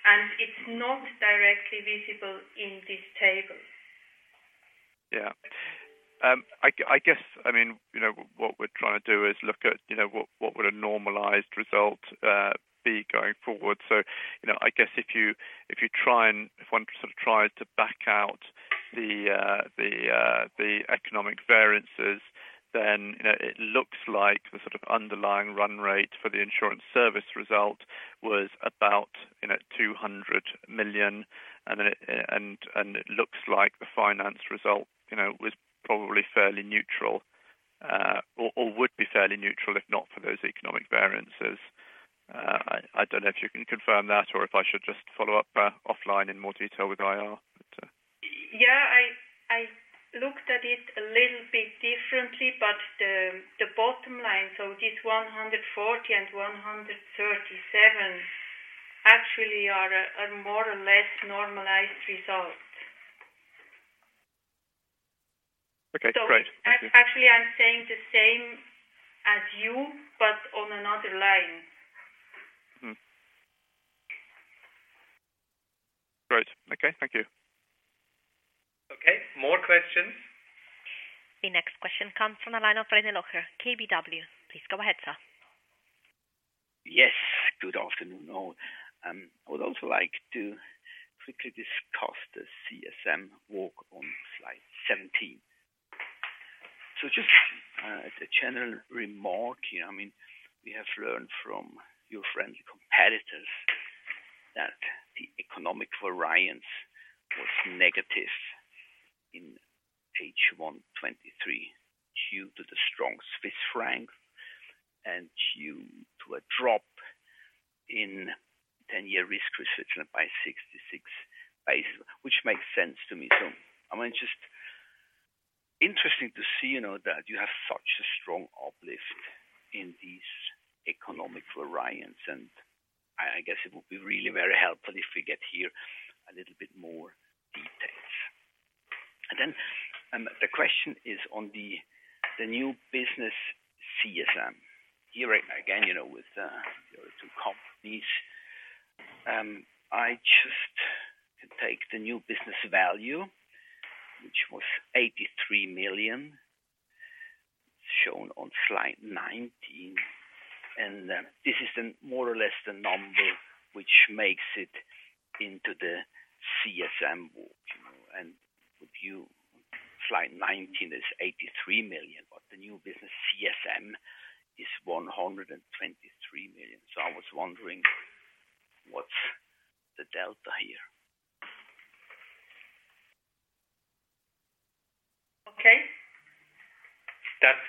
and it's not directly visible in this table. Yeah. I guess, I mean, you know, what we're trying to do is look at, you know, what, what would a normalized result be going forward. So, you know, I guess if you, if you try and if one sort of tries to back out the, the, the economic variances, then, you know, it looks like the sort of underlying run rate for the insurance service result was about, you know, 200 million. And then it, and, and it looks like the finance result, you know, was probably fairly neutral, or, or would be fairly neutral, if not for those economic variances. I don't know if you can confirm that or if I should just follow up offline in more detail with IR, but. Yeah, I looked at it a little bit differently, but the bottom line, so this 140 and 137 actually are a more or less normalized result. Okay, great. So actually, I'm saying the same as you, but on another line. Great. Okay, thank you. Okay, more questions? The next question comes from the line of René Locher, KBW. Please go ahead, sir. Yes, good afternoon, all. I would also like to quickly discuss the CSM walk on slide 17. So just, as a general remark here, I mean, we have learned from your friendly competitors that the economic variance was negative in H1 2023, due to the strong Swiss franc and due to a drop in 10-year risk-free rate by 66 basis points, which makes sense to me. So, I mean, it's just interesting to see, you know, that you have such a strong uplift in these economic variance, and I, I guess it would be really very helpful if we get to hear a little bit more details. And then, the question is on the, the new business CSM. Here, again, you know, with, to comp these, I just take the new business value, which was 83 million, shown on slide 19. This is more or less the number which makes it into the CSM walk. With you, slide 19 is 83 million, but the new business CSM is 123 million. I was wondering, what's the delta here? Okay. That's,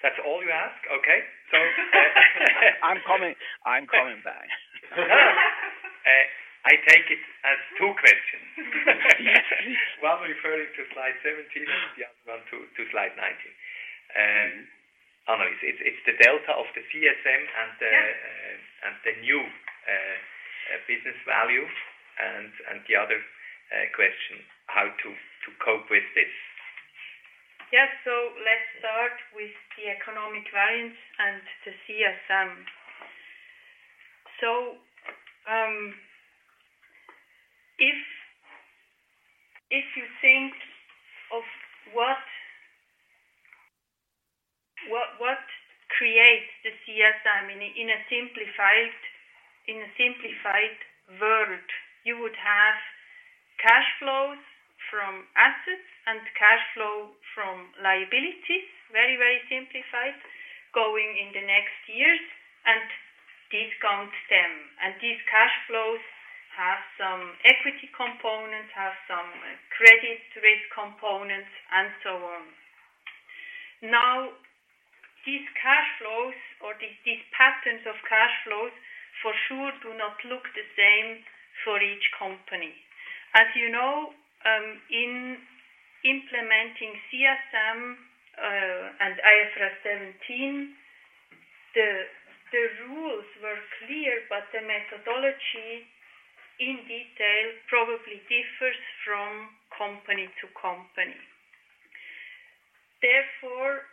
that's all you ask? Okay. I'm coming, I'm coming back. I take it as two questions. One referring to slide 17, the other one to slide 19. It's the delta of the CSM and the new business value, and the other question, how to cope with this. Yes. So let's start with the economic variance and the CSM. So, if you think of what creates the CSM in a simplified world, you would have cash flows from assets and cash flow from liabilities, very simplified, going in the next years and discount them. And these cash flows have some equity components, have some credit risk components, and so on. Now, these patterns of cash flows for sure do not look the same for each company. As you know, implementing CSM and IFRS 17, the rules were clear, but the methodology in detail probably differs from company to company. Therefore,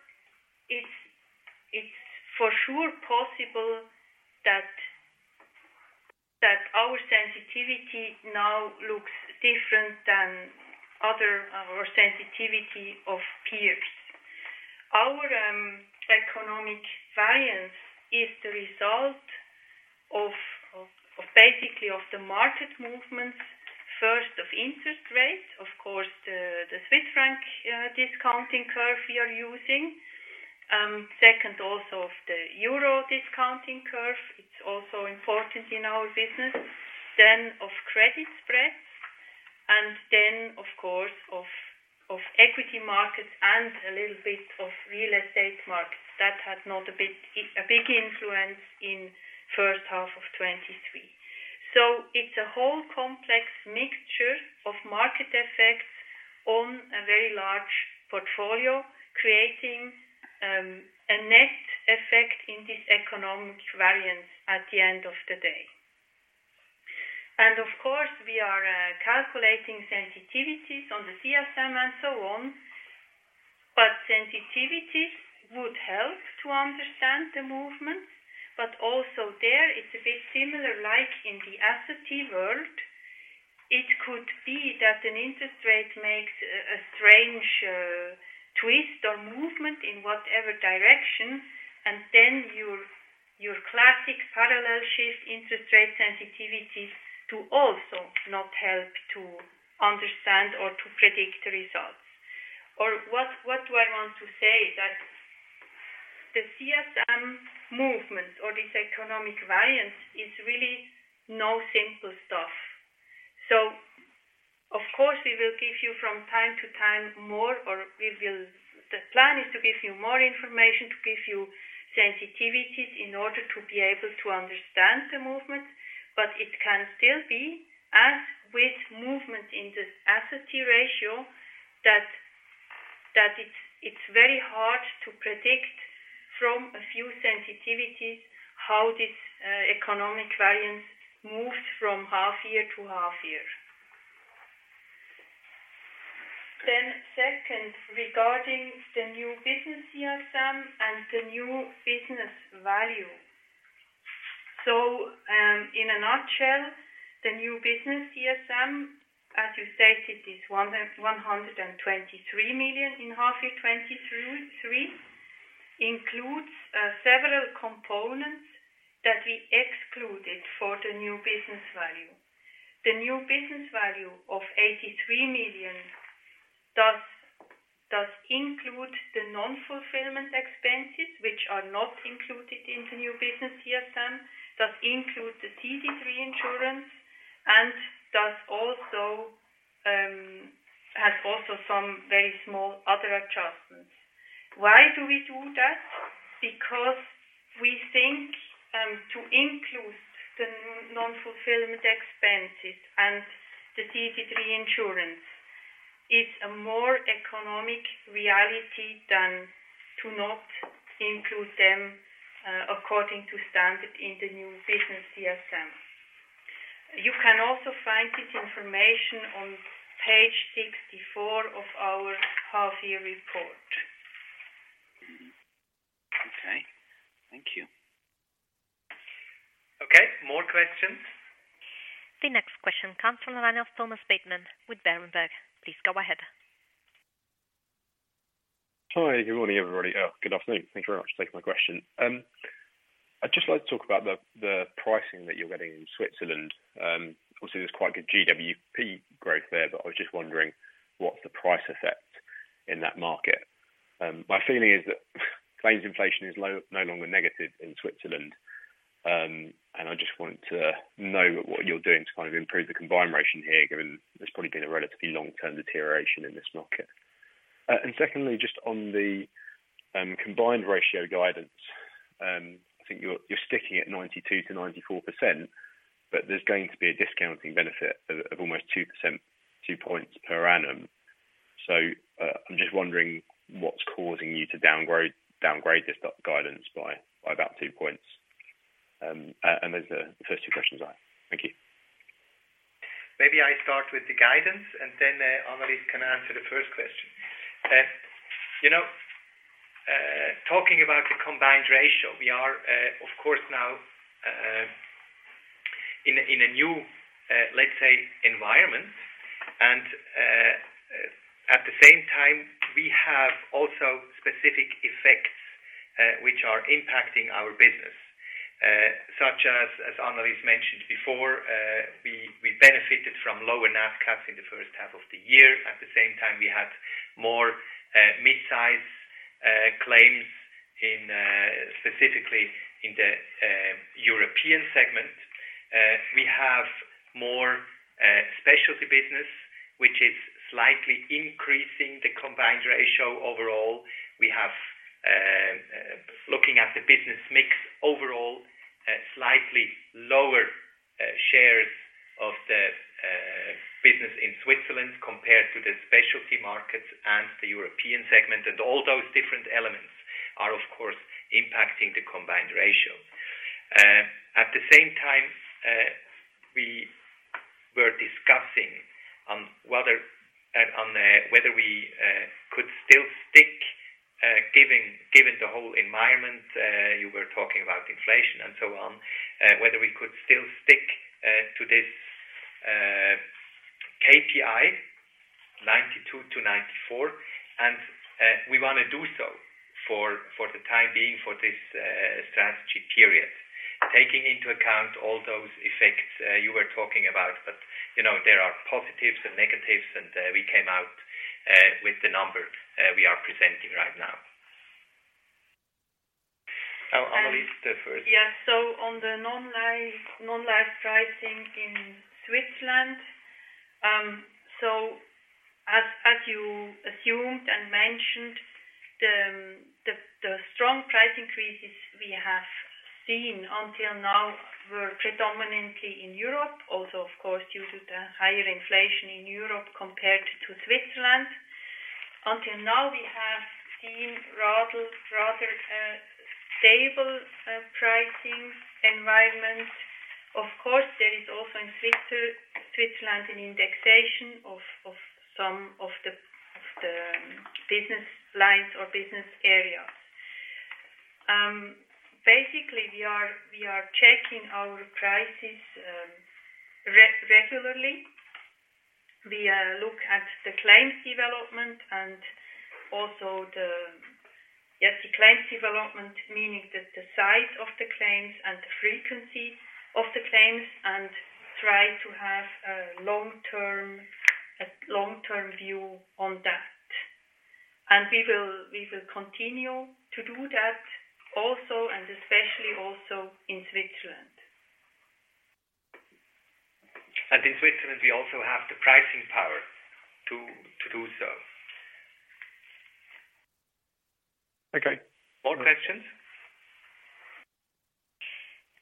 it's for sure possible that our sensitivity now looks different than other sensitivity of peers. Our economic variance is the result of basically of the market movements, first, of interest rates, of course, the Swiss franc discounting curve we are using. Second, also of the euro discounting curve. It's also important in our business, then of credit spreads, and then, of course, of equity markets and a little bit of real estate markets. That had not a big influence in first half of 2023. So it's a whole complex mixture of market effects on a very large portfolio, creating a net effect in this economic variance at the end of the day. And of course, we are calculating sensitivities on the CSM and so on. But sensitivities would help to understand the movements, but also there, it's a bit similar, like in the asset world. It could be that an interest rate makes a strange twist or movement in whatever direction, and then your, your classic parallel shift interest rate sensitivities to also not help to understand or to predict the results. Or what, what do I want to say? That the CSM movement or this economic variance is really no simple stuff. So of course, we will give you from time to time more, or we will, the plan is to give you more information, to give you sensitivities in order to be able to understand the movement. But it can still be, as with movement in the asset ratio, that, that it's, it's very hard to predict from a few sensitivities, how this economic variance moves from half year to half year. Then second, regarding the new business CSM and the new business value. In a nutshell, the new business CSM, as you said, it is 123 million in half year 2023, includes several components that we excluded for the new business value. The new business value of 83 million does, does include the non-fulfillment expenses, which are not included in the new business CSM. Does include the CPI insurance, and does also has also some very small other adjustments. Why do we do that? Because we think to include the non-fulfillment expenses and the CPI insurance is a more economic reality than to not include them according to standard in the new business CSM. You can also find this information on page 64 of our half year report. Okay, thank you. Okay, more questions? The next question comes from the line of Thomas Bateman with Berenberg. Please go ahead. Hi, good morning, everybody. Good afternoon. Thank you very much for taking my question. I'd just like to talk about the pricing that you're getting in Switzerland. Obviously, there's quite good GWP growth there, but I was just wondering, what's the price effect in that market? My feeling is that claims inflation is low, no longer negative in Switzerland. And I just want to know what you're doing to kind of improve the combined ratio here, given there's probably been a relatively long-term deterioration in this market. And secondly, just on the combined ratio guidance, I think you're sticking at 92%-94%, but there's going to be a discounting benefit of almost 2%, two points per annum. So, I'm just wondering what's causing you to downgrade this guidance by about two points. There's the first two questions are. Thank you. Maybe I start with the guidance, and then, Annelis can answer the first question. You know, talking about the combined ratio, we are, of course, now, in a new, let's say, environment. And, at the same time, we have also specific effects, which are impacting our business, such as, as Annelis mentioned before, we benefited from lower Nat Cat cases in the first half of the year. At the same time, we had more mid-size claims in, specifically in the European segment. We have more specialty business, which is slightly increasing the combined ratio overall. We have, looking at the business mix overall, slightly lower shares of the business in Switzerland compared to the Specialty Markets and the European segment, and all those different elements are, of course, impacting the combined ratio. At the same time, we were discussing on whether we could still stick, given the whole environment, you were talking about inflation and so on, whether we could still stick to this KPI, 92%-94%, and we want to do so for the time being, for this strategy period. Taking into account all those effects you were talking about, but you know, there are positives and negatives, and we came out with the number we are presenting right now. Oh, Annelis, go first. Yeah. So on the non-life pricing in Switzerland, so as you assumed and mentioned, the strong price increases we have seen until now were predominantly in Europe, also, of course, due to the higher inflation in Europe compared to Switzerland. Until now, we have seen rather stable pricing environment. Of course, there is also in Switzerland, an indexation of some of the business lines or business areas. Basically, we are checking our prices regularly. We look at the claims development and also the claims development, meaning the size of the claims and the frequency of the claims, and try to have a long-term view on that. And we will continue to do that also and especially also in Switzerland. In Switzerland, we also have the pricing power to do so. Okay. More questions?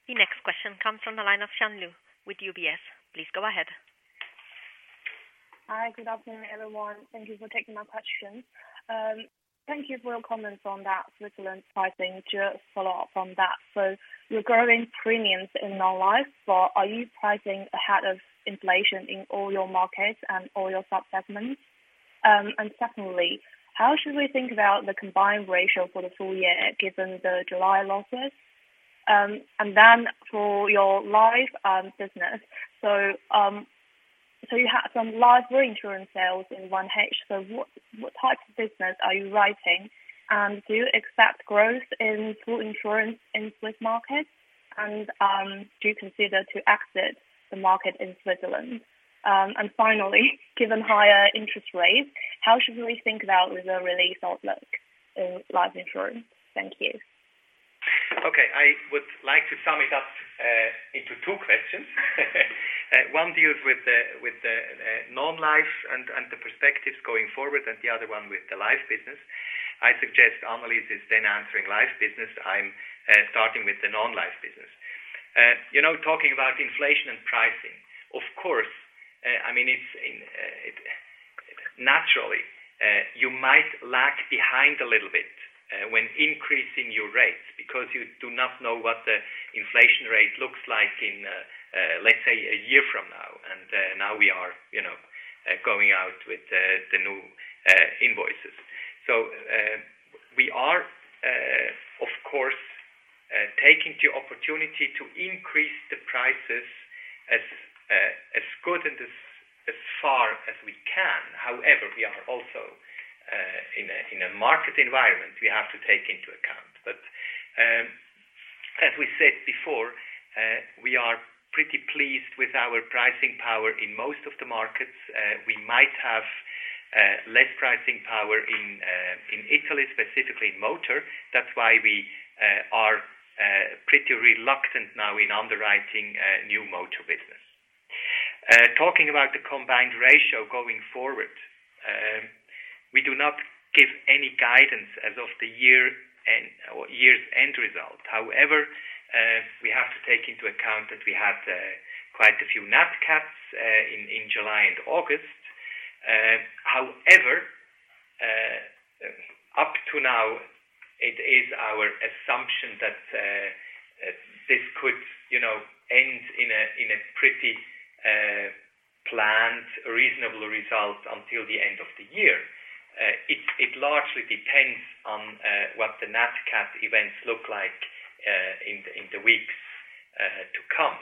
The next question comes from the line of Chen Lu with UBS. Please go ahead. Hi, good afternoon, everyone. Thank you for taking my question. Thank you for your comments on that Switzerland pricing. Just follow up on that. So you're growing premiums in non-life, but are you pricing ahead of inflation in all your markets and all your sub-segments? And secondly, how should we think about the combined ratio for the full year, given the July losses? And then for your life business. So, so you had some large reinsurance sales in 1H. So what, what type of business are you writing? And do you expect growth in total insurance in Swiss market? And, do you consider to exit the market in Switzerland? And finally, given higher interest rates, how should we think about reserve release outlook in life insurance? Thank you. Okay. I would like to sum it up into two questions. One deals with the non-life and the perspectives going forward, and the other one with the life business. I suggest Annelis is then answering life business. I'm starting with the non-life business. You know, talking about inflation and pricing, of course, I mean, it's in naturally you might lag behind a little bit when increasing your rates because you do not know what the inflation rate looks like in, let's say, a year from now. And now we are, you know, going out with the new invoices. So, we are, of course, taking the opportunity to increase the prices as good and as far as we can. However, we are also in a market environment we have to take into account. But, as we said before, we are pretty pleased with our pricing power in most of the markets. We might have less pricing power in Italy, specifically in motor. That's why we are pretty reluctant now in underwriting new motor business. Talking about the combined ratio going forward, we do not give any guidance as of the year end or year's end result. However, we have to take into account that we had quite a few nat cats in July and August. However, up to now, it is our assumption that this could, you know, end in a pretty planned, reasonable result until the end of the year. It largely depends on what the nat cat events look like in the weeks to come.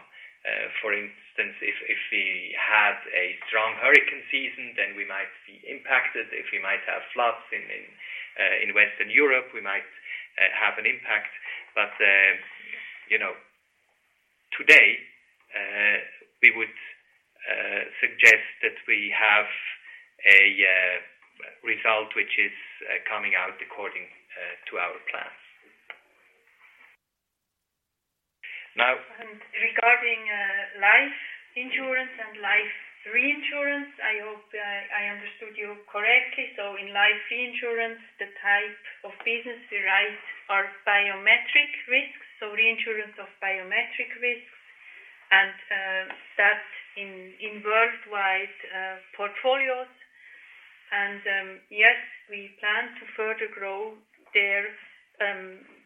For instance, if we have a strong hurricane season, then we might be impacted. If we might have floods in Western Europe, we might have an impact. But you know, today we would suggest that we have a result which is coming out according to our plans. Now. Regarding life insurance and life reinsurance, I hope I understood you correctly. So in life reinsurance, the type of business we write are biometric risks, so reinsurance of biometric risks, and that in worldwide portfolios. And yes, we plan to further grow there,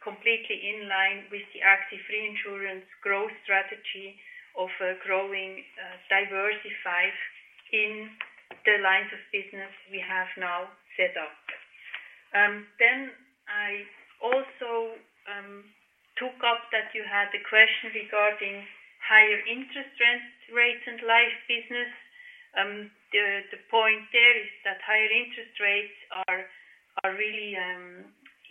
completely in line with the Active Reinsurance growth strategy of growing diversified in the lines of business we have now set up. Then I also took up that you had a question regarding higher interest rate and life business. The point there is that higher interest rates are really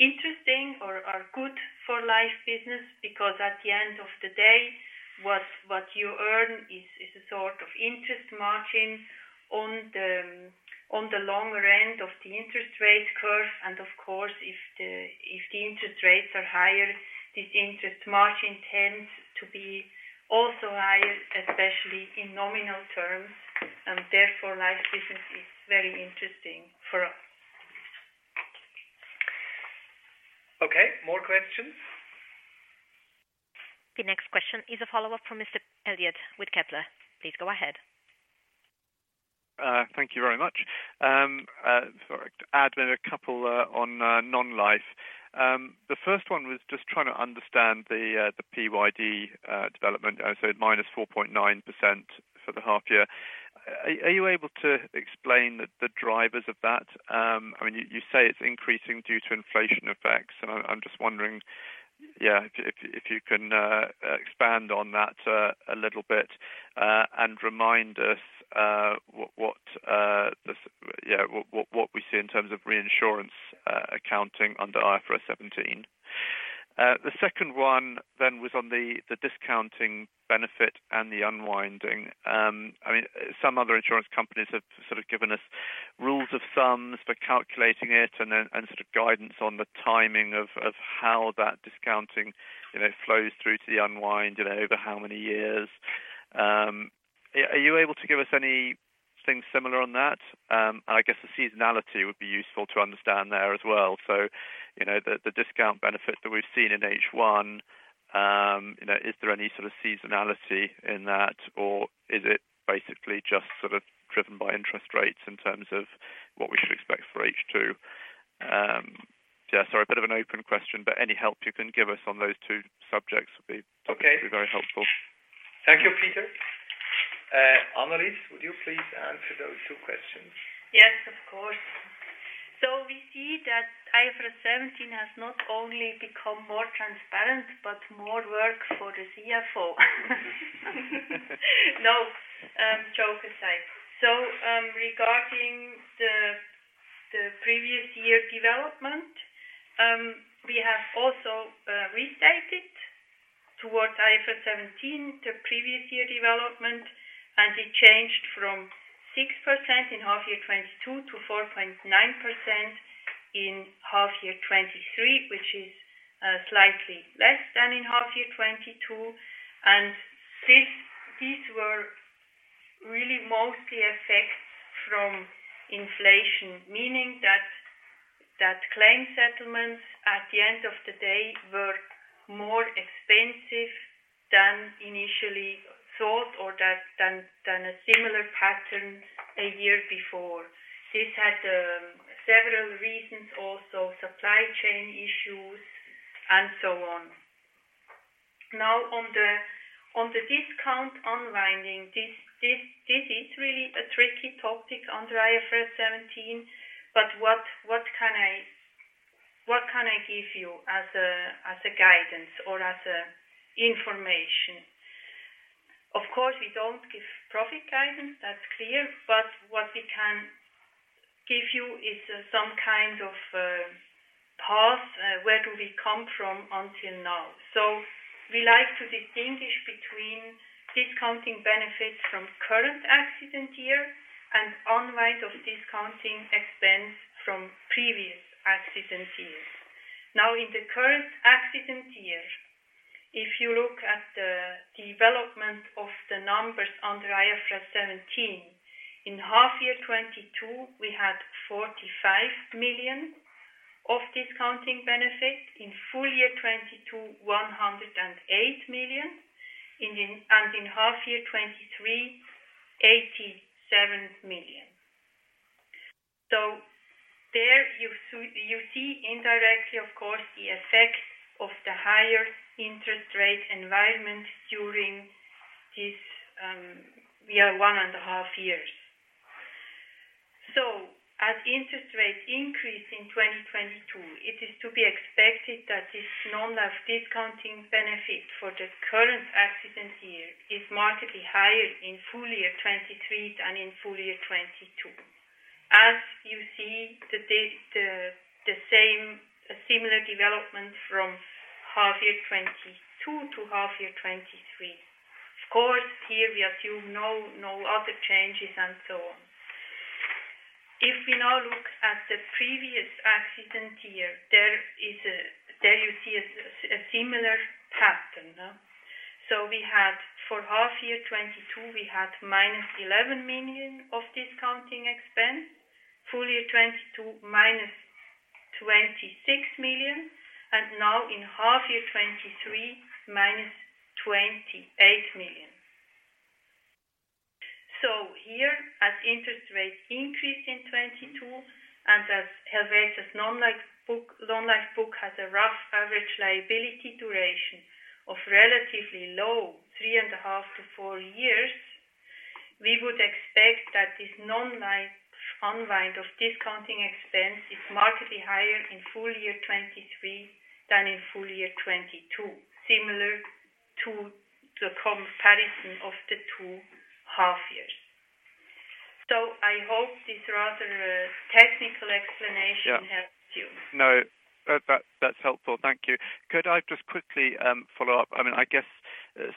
interesting or are good for life business, because at the end of the day, what you earn is a sort of interest margin on the longer end of the interest rate curve. And of course, if the interest rates are higher, this interest margin tends to be also higher, especially in nominal terms, and therefore, life business is very interesting for us. Okay, more questions? The next question is a follow-up from Mr. Eliot with Kepler. Please go ahead. Thank you very much. Sorry. To add in a couple on non-life. The first one was just trying to understand the PYD development, so minus 4.9% for the half year. Are you able to explain the drivers of that? I mean, you say it's increasing due to inflation effects, and I'm just wondering, yeah, if you can expand on that a little bit, and remind us what we see in terms of reinsurance accounting under IFRS 17. The second one then was on the discounting benefit and the unwinding. I mean, some other insurance companies have sort of given us rules of thumb for calculating it and then, and sort of guidance on the timing of, of how that discounting, you know, flows through to the unwind, you know, over how many years. Are you able to give us anything similar on that? And I guess the seasonality would be useful to understand there as well. So, you know, the discount benefits that we've seen in H1, you know, is there any sort of seasonality in that, or is it basically just sort of driven by interest rates in terms of what we should expect for H2? Yeah, sorry, a bit of an open question, but any help you can give us on those two subjects would be. Okay. Very helpful. Thank you, Peter. Annelis, would you please answer those two questions? Yes, of course. So we see that IFRS 17 has not only become more transparent, but more work for the CFO. No, joke aside. Regarding the previous year development, we have also restated towards IFRS 17, the previous year development, and it changed from 6% in half year 2022 to 4.9% in half year 2023, which is slightly less than in half year 2022. And this, these were really mostly effects from inflation, meaning that claim settlements at the end of the day were more expensive than initially thought, or than a similar pattern a year before. This had several reasons, also supply chain issues and so on. Now, on the discount unwinding, this is really a tricky topic under IFRS 17, but what can I give you as a guidance or as a information? Of course, we don't give profit guidance, that's clear, but what we can give you is some kind of path, where do we come from until now. So we like to distinguish between discounting benefits from current accident year and unwind of discounting expense from previous accident years. Now, in the current accident year, if you look at the development of the numbers under IFRS 17, in half year 2022, we had 45 million of discounting benefit, in full year 2022, 108 million, and in half year 2023, 87 million. So there you see indirectly, of course, the effect of the higher interest rate environment during this, one and a half years. So as interest rates increase in 2022, it is to be expected that this non-life discounting benefit for the current accident year is markedly higher in full year 2023 than in full year 2022. As you see, the same, similar development from half year 2022 to half year 2023. Of course, here we assume no other changes and so on. If we now look at the previous accident year, there is there you see a similar pattern. So we had for half year 2022, we had -11 million of discounting expense, full year 2022, -26 million, and now in half year 2023, -28 million. So here, as interest rates increased in 2022, and as Helvetia's non-life book, non-life book has a rough average liability duration of relatively low 3.5-4 years, we would expect that this non-life unwind of discounting expense is markedly higher in full year 2023 than in full year 2022, similar to the comparison of the two half years. So I hope this rather, technical explanation helps you. No, that's, that's helpful. Thank you. Could I just quickly follow up? I mean, I guess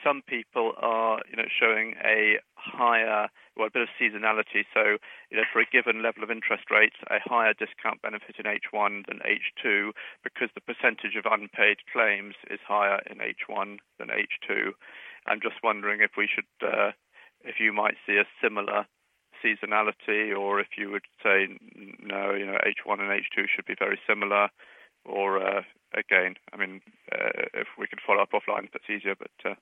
some people are, you know, showing a higher or a bit of seasonality. So, you know, for a given level of interest rates, a higher discount benefit in H1 than H2, because the percentage of unpaid claims is higher in H1 than H2. I'm just wondering if you might see a similar seasonality or if you would say, no, you know, H1 and H2 should be very similar, or again, I mean, if we could follow up offline, that's easier, but.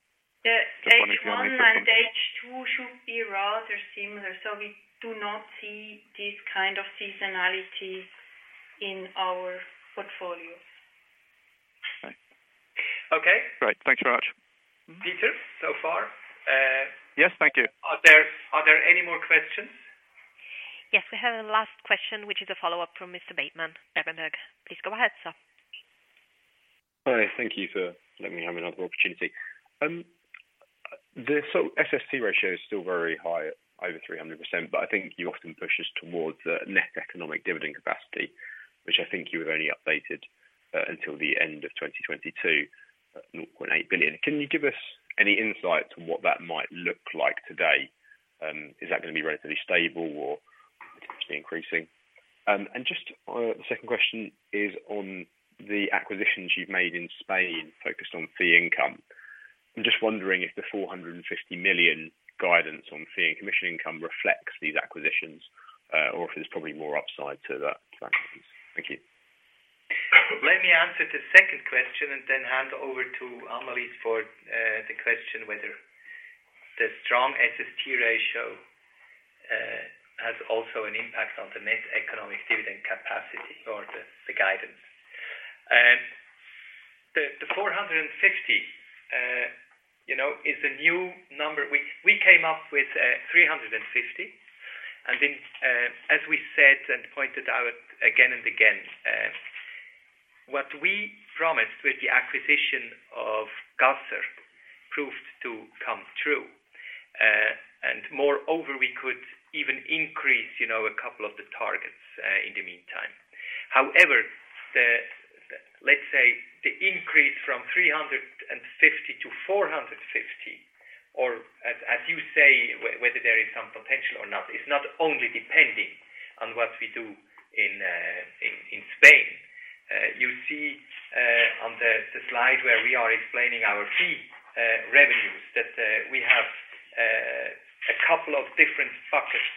Yeah, H1 and H2 should be rather similar, so we do not see this kind of seasonality in our portfolios. Okay. Okay? Great. Thanks very much. Peter, so far, Yes, thank you. Are there any more questions? Yes, we have a last question, which is a follow-up from Mr. Bateman, Berenberg. Please go ahead, sir. Hi, thank you for letting me have another opportunity. The SST ratio is still very high, over 300%, but I think you often push us towards the net economic dividend capacity, which I think you have only updated until the end of 2022, 0.8 billion. Can you give us any insight on what that might look like today? Is that going to be relatively stable or potentially increasing? And just the second question is on the acquisitions you've made in Spain, focused on fee income. I'm just wondering if the 450 million guidance on fee and commission income reflects these acquisitions or if there's probably more upside to that. Thank you. Let me answer the second question and then hand over to Annelis for the question whether the strong SST ratio has also an impact on the net economic dividend capacity or the guidance. The 450, you know, is a new number. We came up with 350, and then, as we said and pointed out again and again, what we promised with the acquisition of Caser proved to come true. And moreover, we could even increase, you know, a couple of the targets in the meantime. However, the, let's say, the increase from 350 to 450, or as you say, whether there is some potential or not, is not only depending on what we do in Spain. You see, on the slide where we are explaining our fee revenues, that we have a couple of different buckets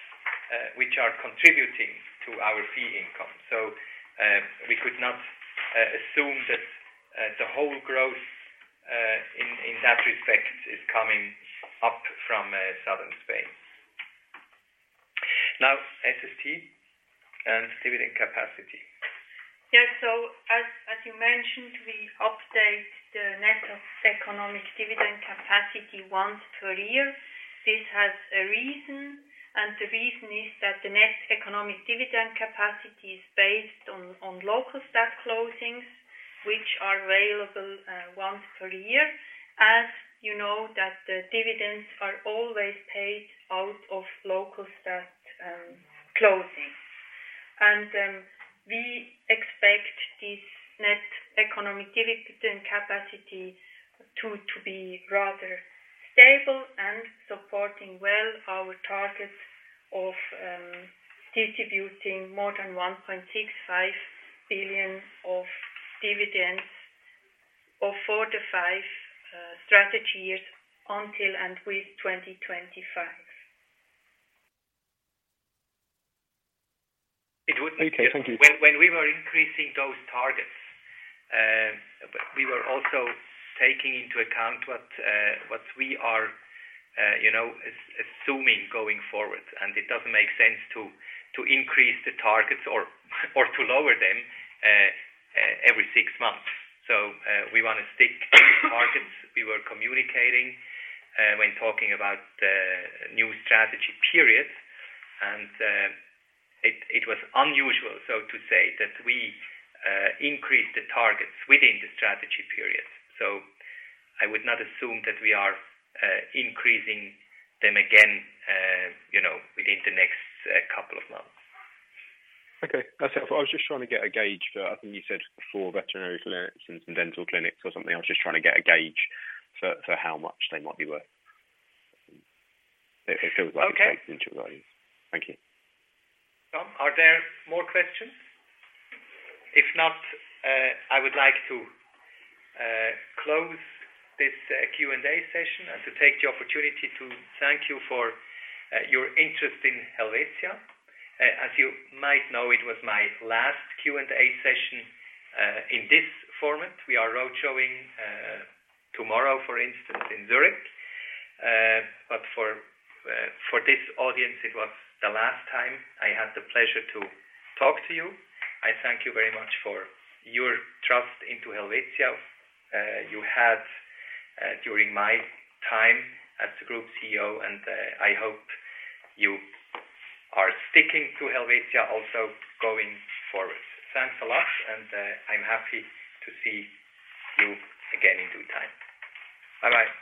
which are contributing to our fee income. So, we could not assume that the whole growth in that respect is coming up from Southern Spain. Now, SST and dividend capacity. Yes, so as you mentioned, we update the net economic dividend capacity once per year. This has a reason, and the reason is that the net economic dividend capacity is based on local statutory closings, which are available once per year. As you know, that the dividends are always paid out of local statutory closing. And we expect this net economic dividend capacity to be rather stable and supporting well our targets of distributing more than 1.65 billion of dividends for 4-5 strategy years until and with 2025. It wouldn't. Okay, thank you. When we were increasing those targets, we were also taking into account what we are, you know, assuming going forward, and it doesn't make sense to increase the targets or to lower them every six months. So, we want to stick to the targets we were communicating when talking about the new strategy period. And, it was unusual, so to say, that we increased the targets within the strategy period. So I would not assume that we are increasing them again, you know, within the next couple of months. Okay, that's it. I was just trying to get a gauge for, I think you said 4 veterinary clinics and some dental clinics or something. I was just trying to get a gauge for, for how much they might be worth. It feels like. Okay. Thank you. Tom, are there more questions? If not, I would like to close this Q&A session and to take the opportunity to thank you for your interest in Helvetia. As you might know, it was my last Q&A session in this format. We are road showing tomorrow, for instance, in Zurich. But for this audience, it was the last time I had the pleasure to talk to you. I thank you very much for your trust into Helvetia. You had during my time as the Group CEO, and I hope you are sticking to Helvetia, also going forward. Thanks a lot, and I'm happy to see you again in due time. Bye-bye.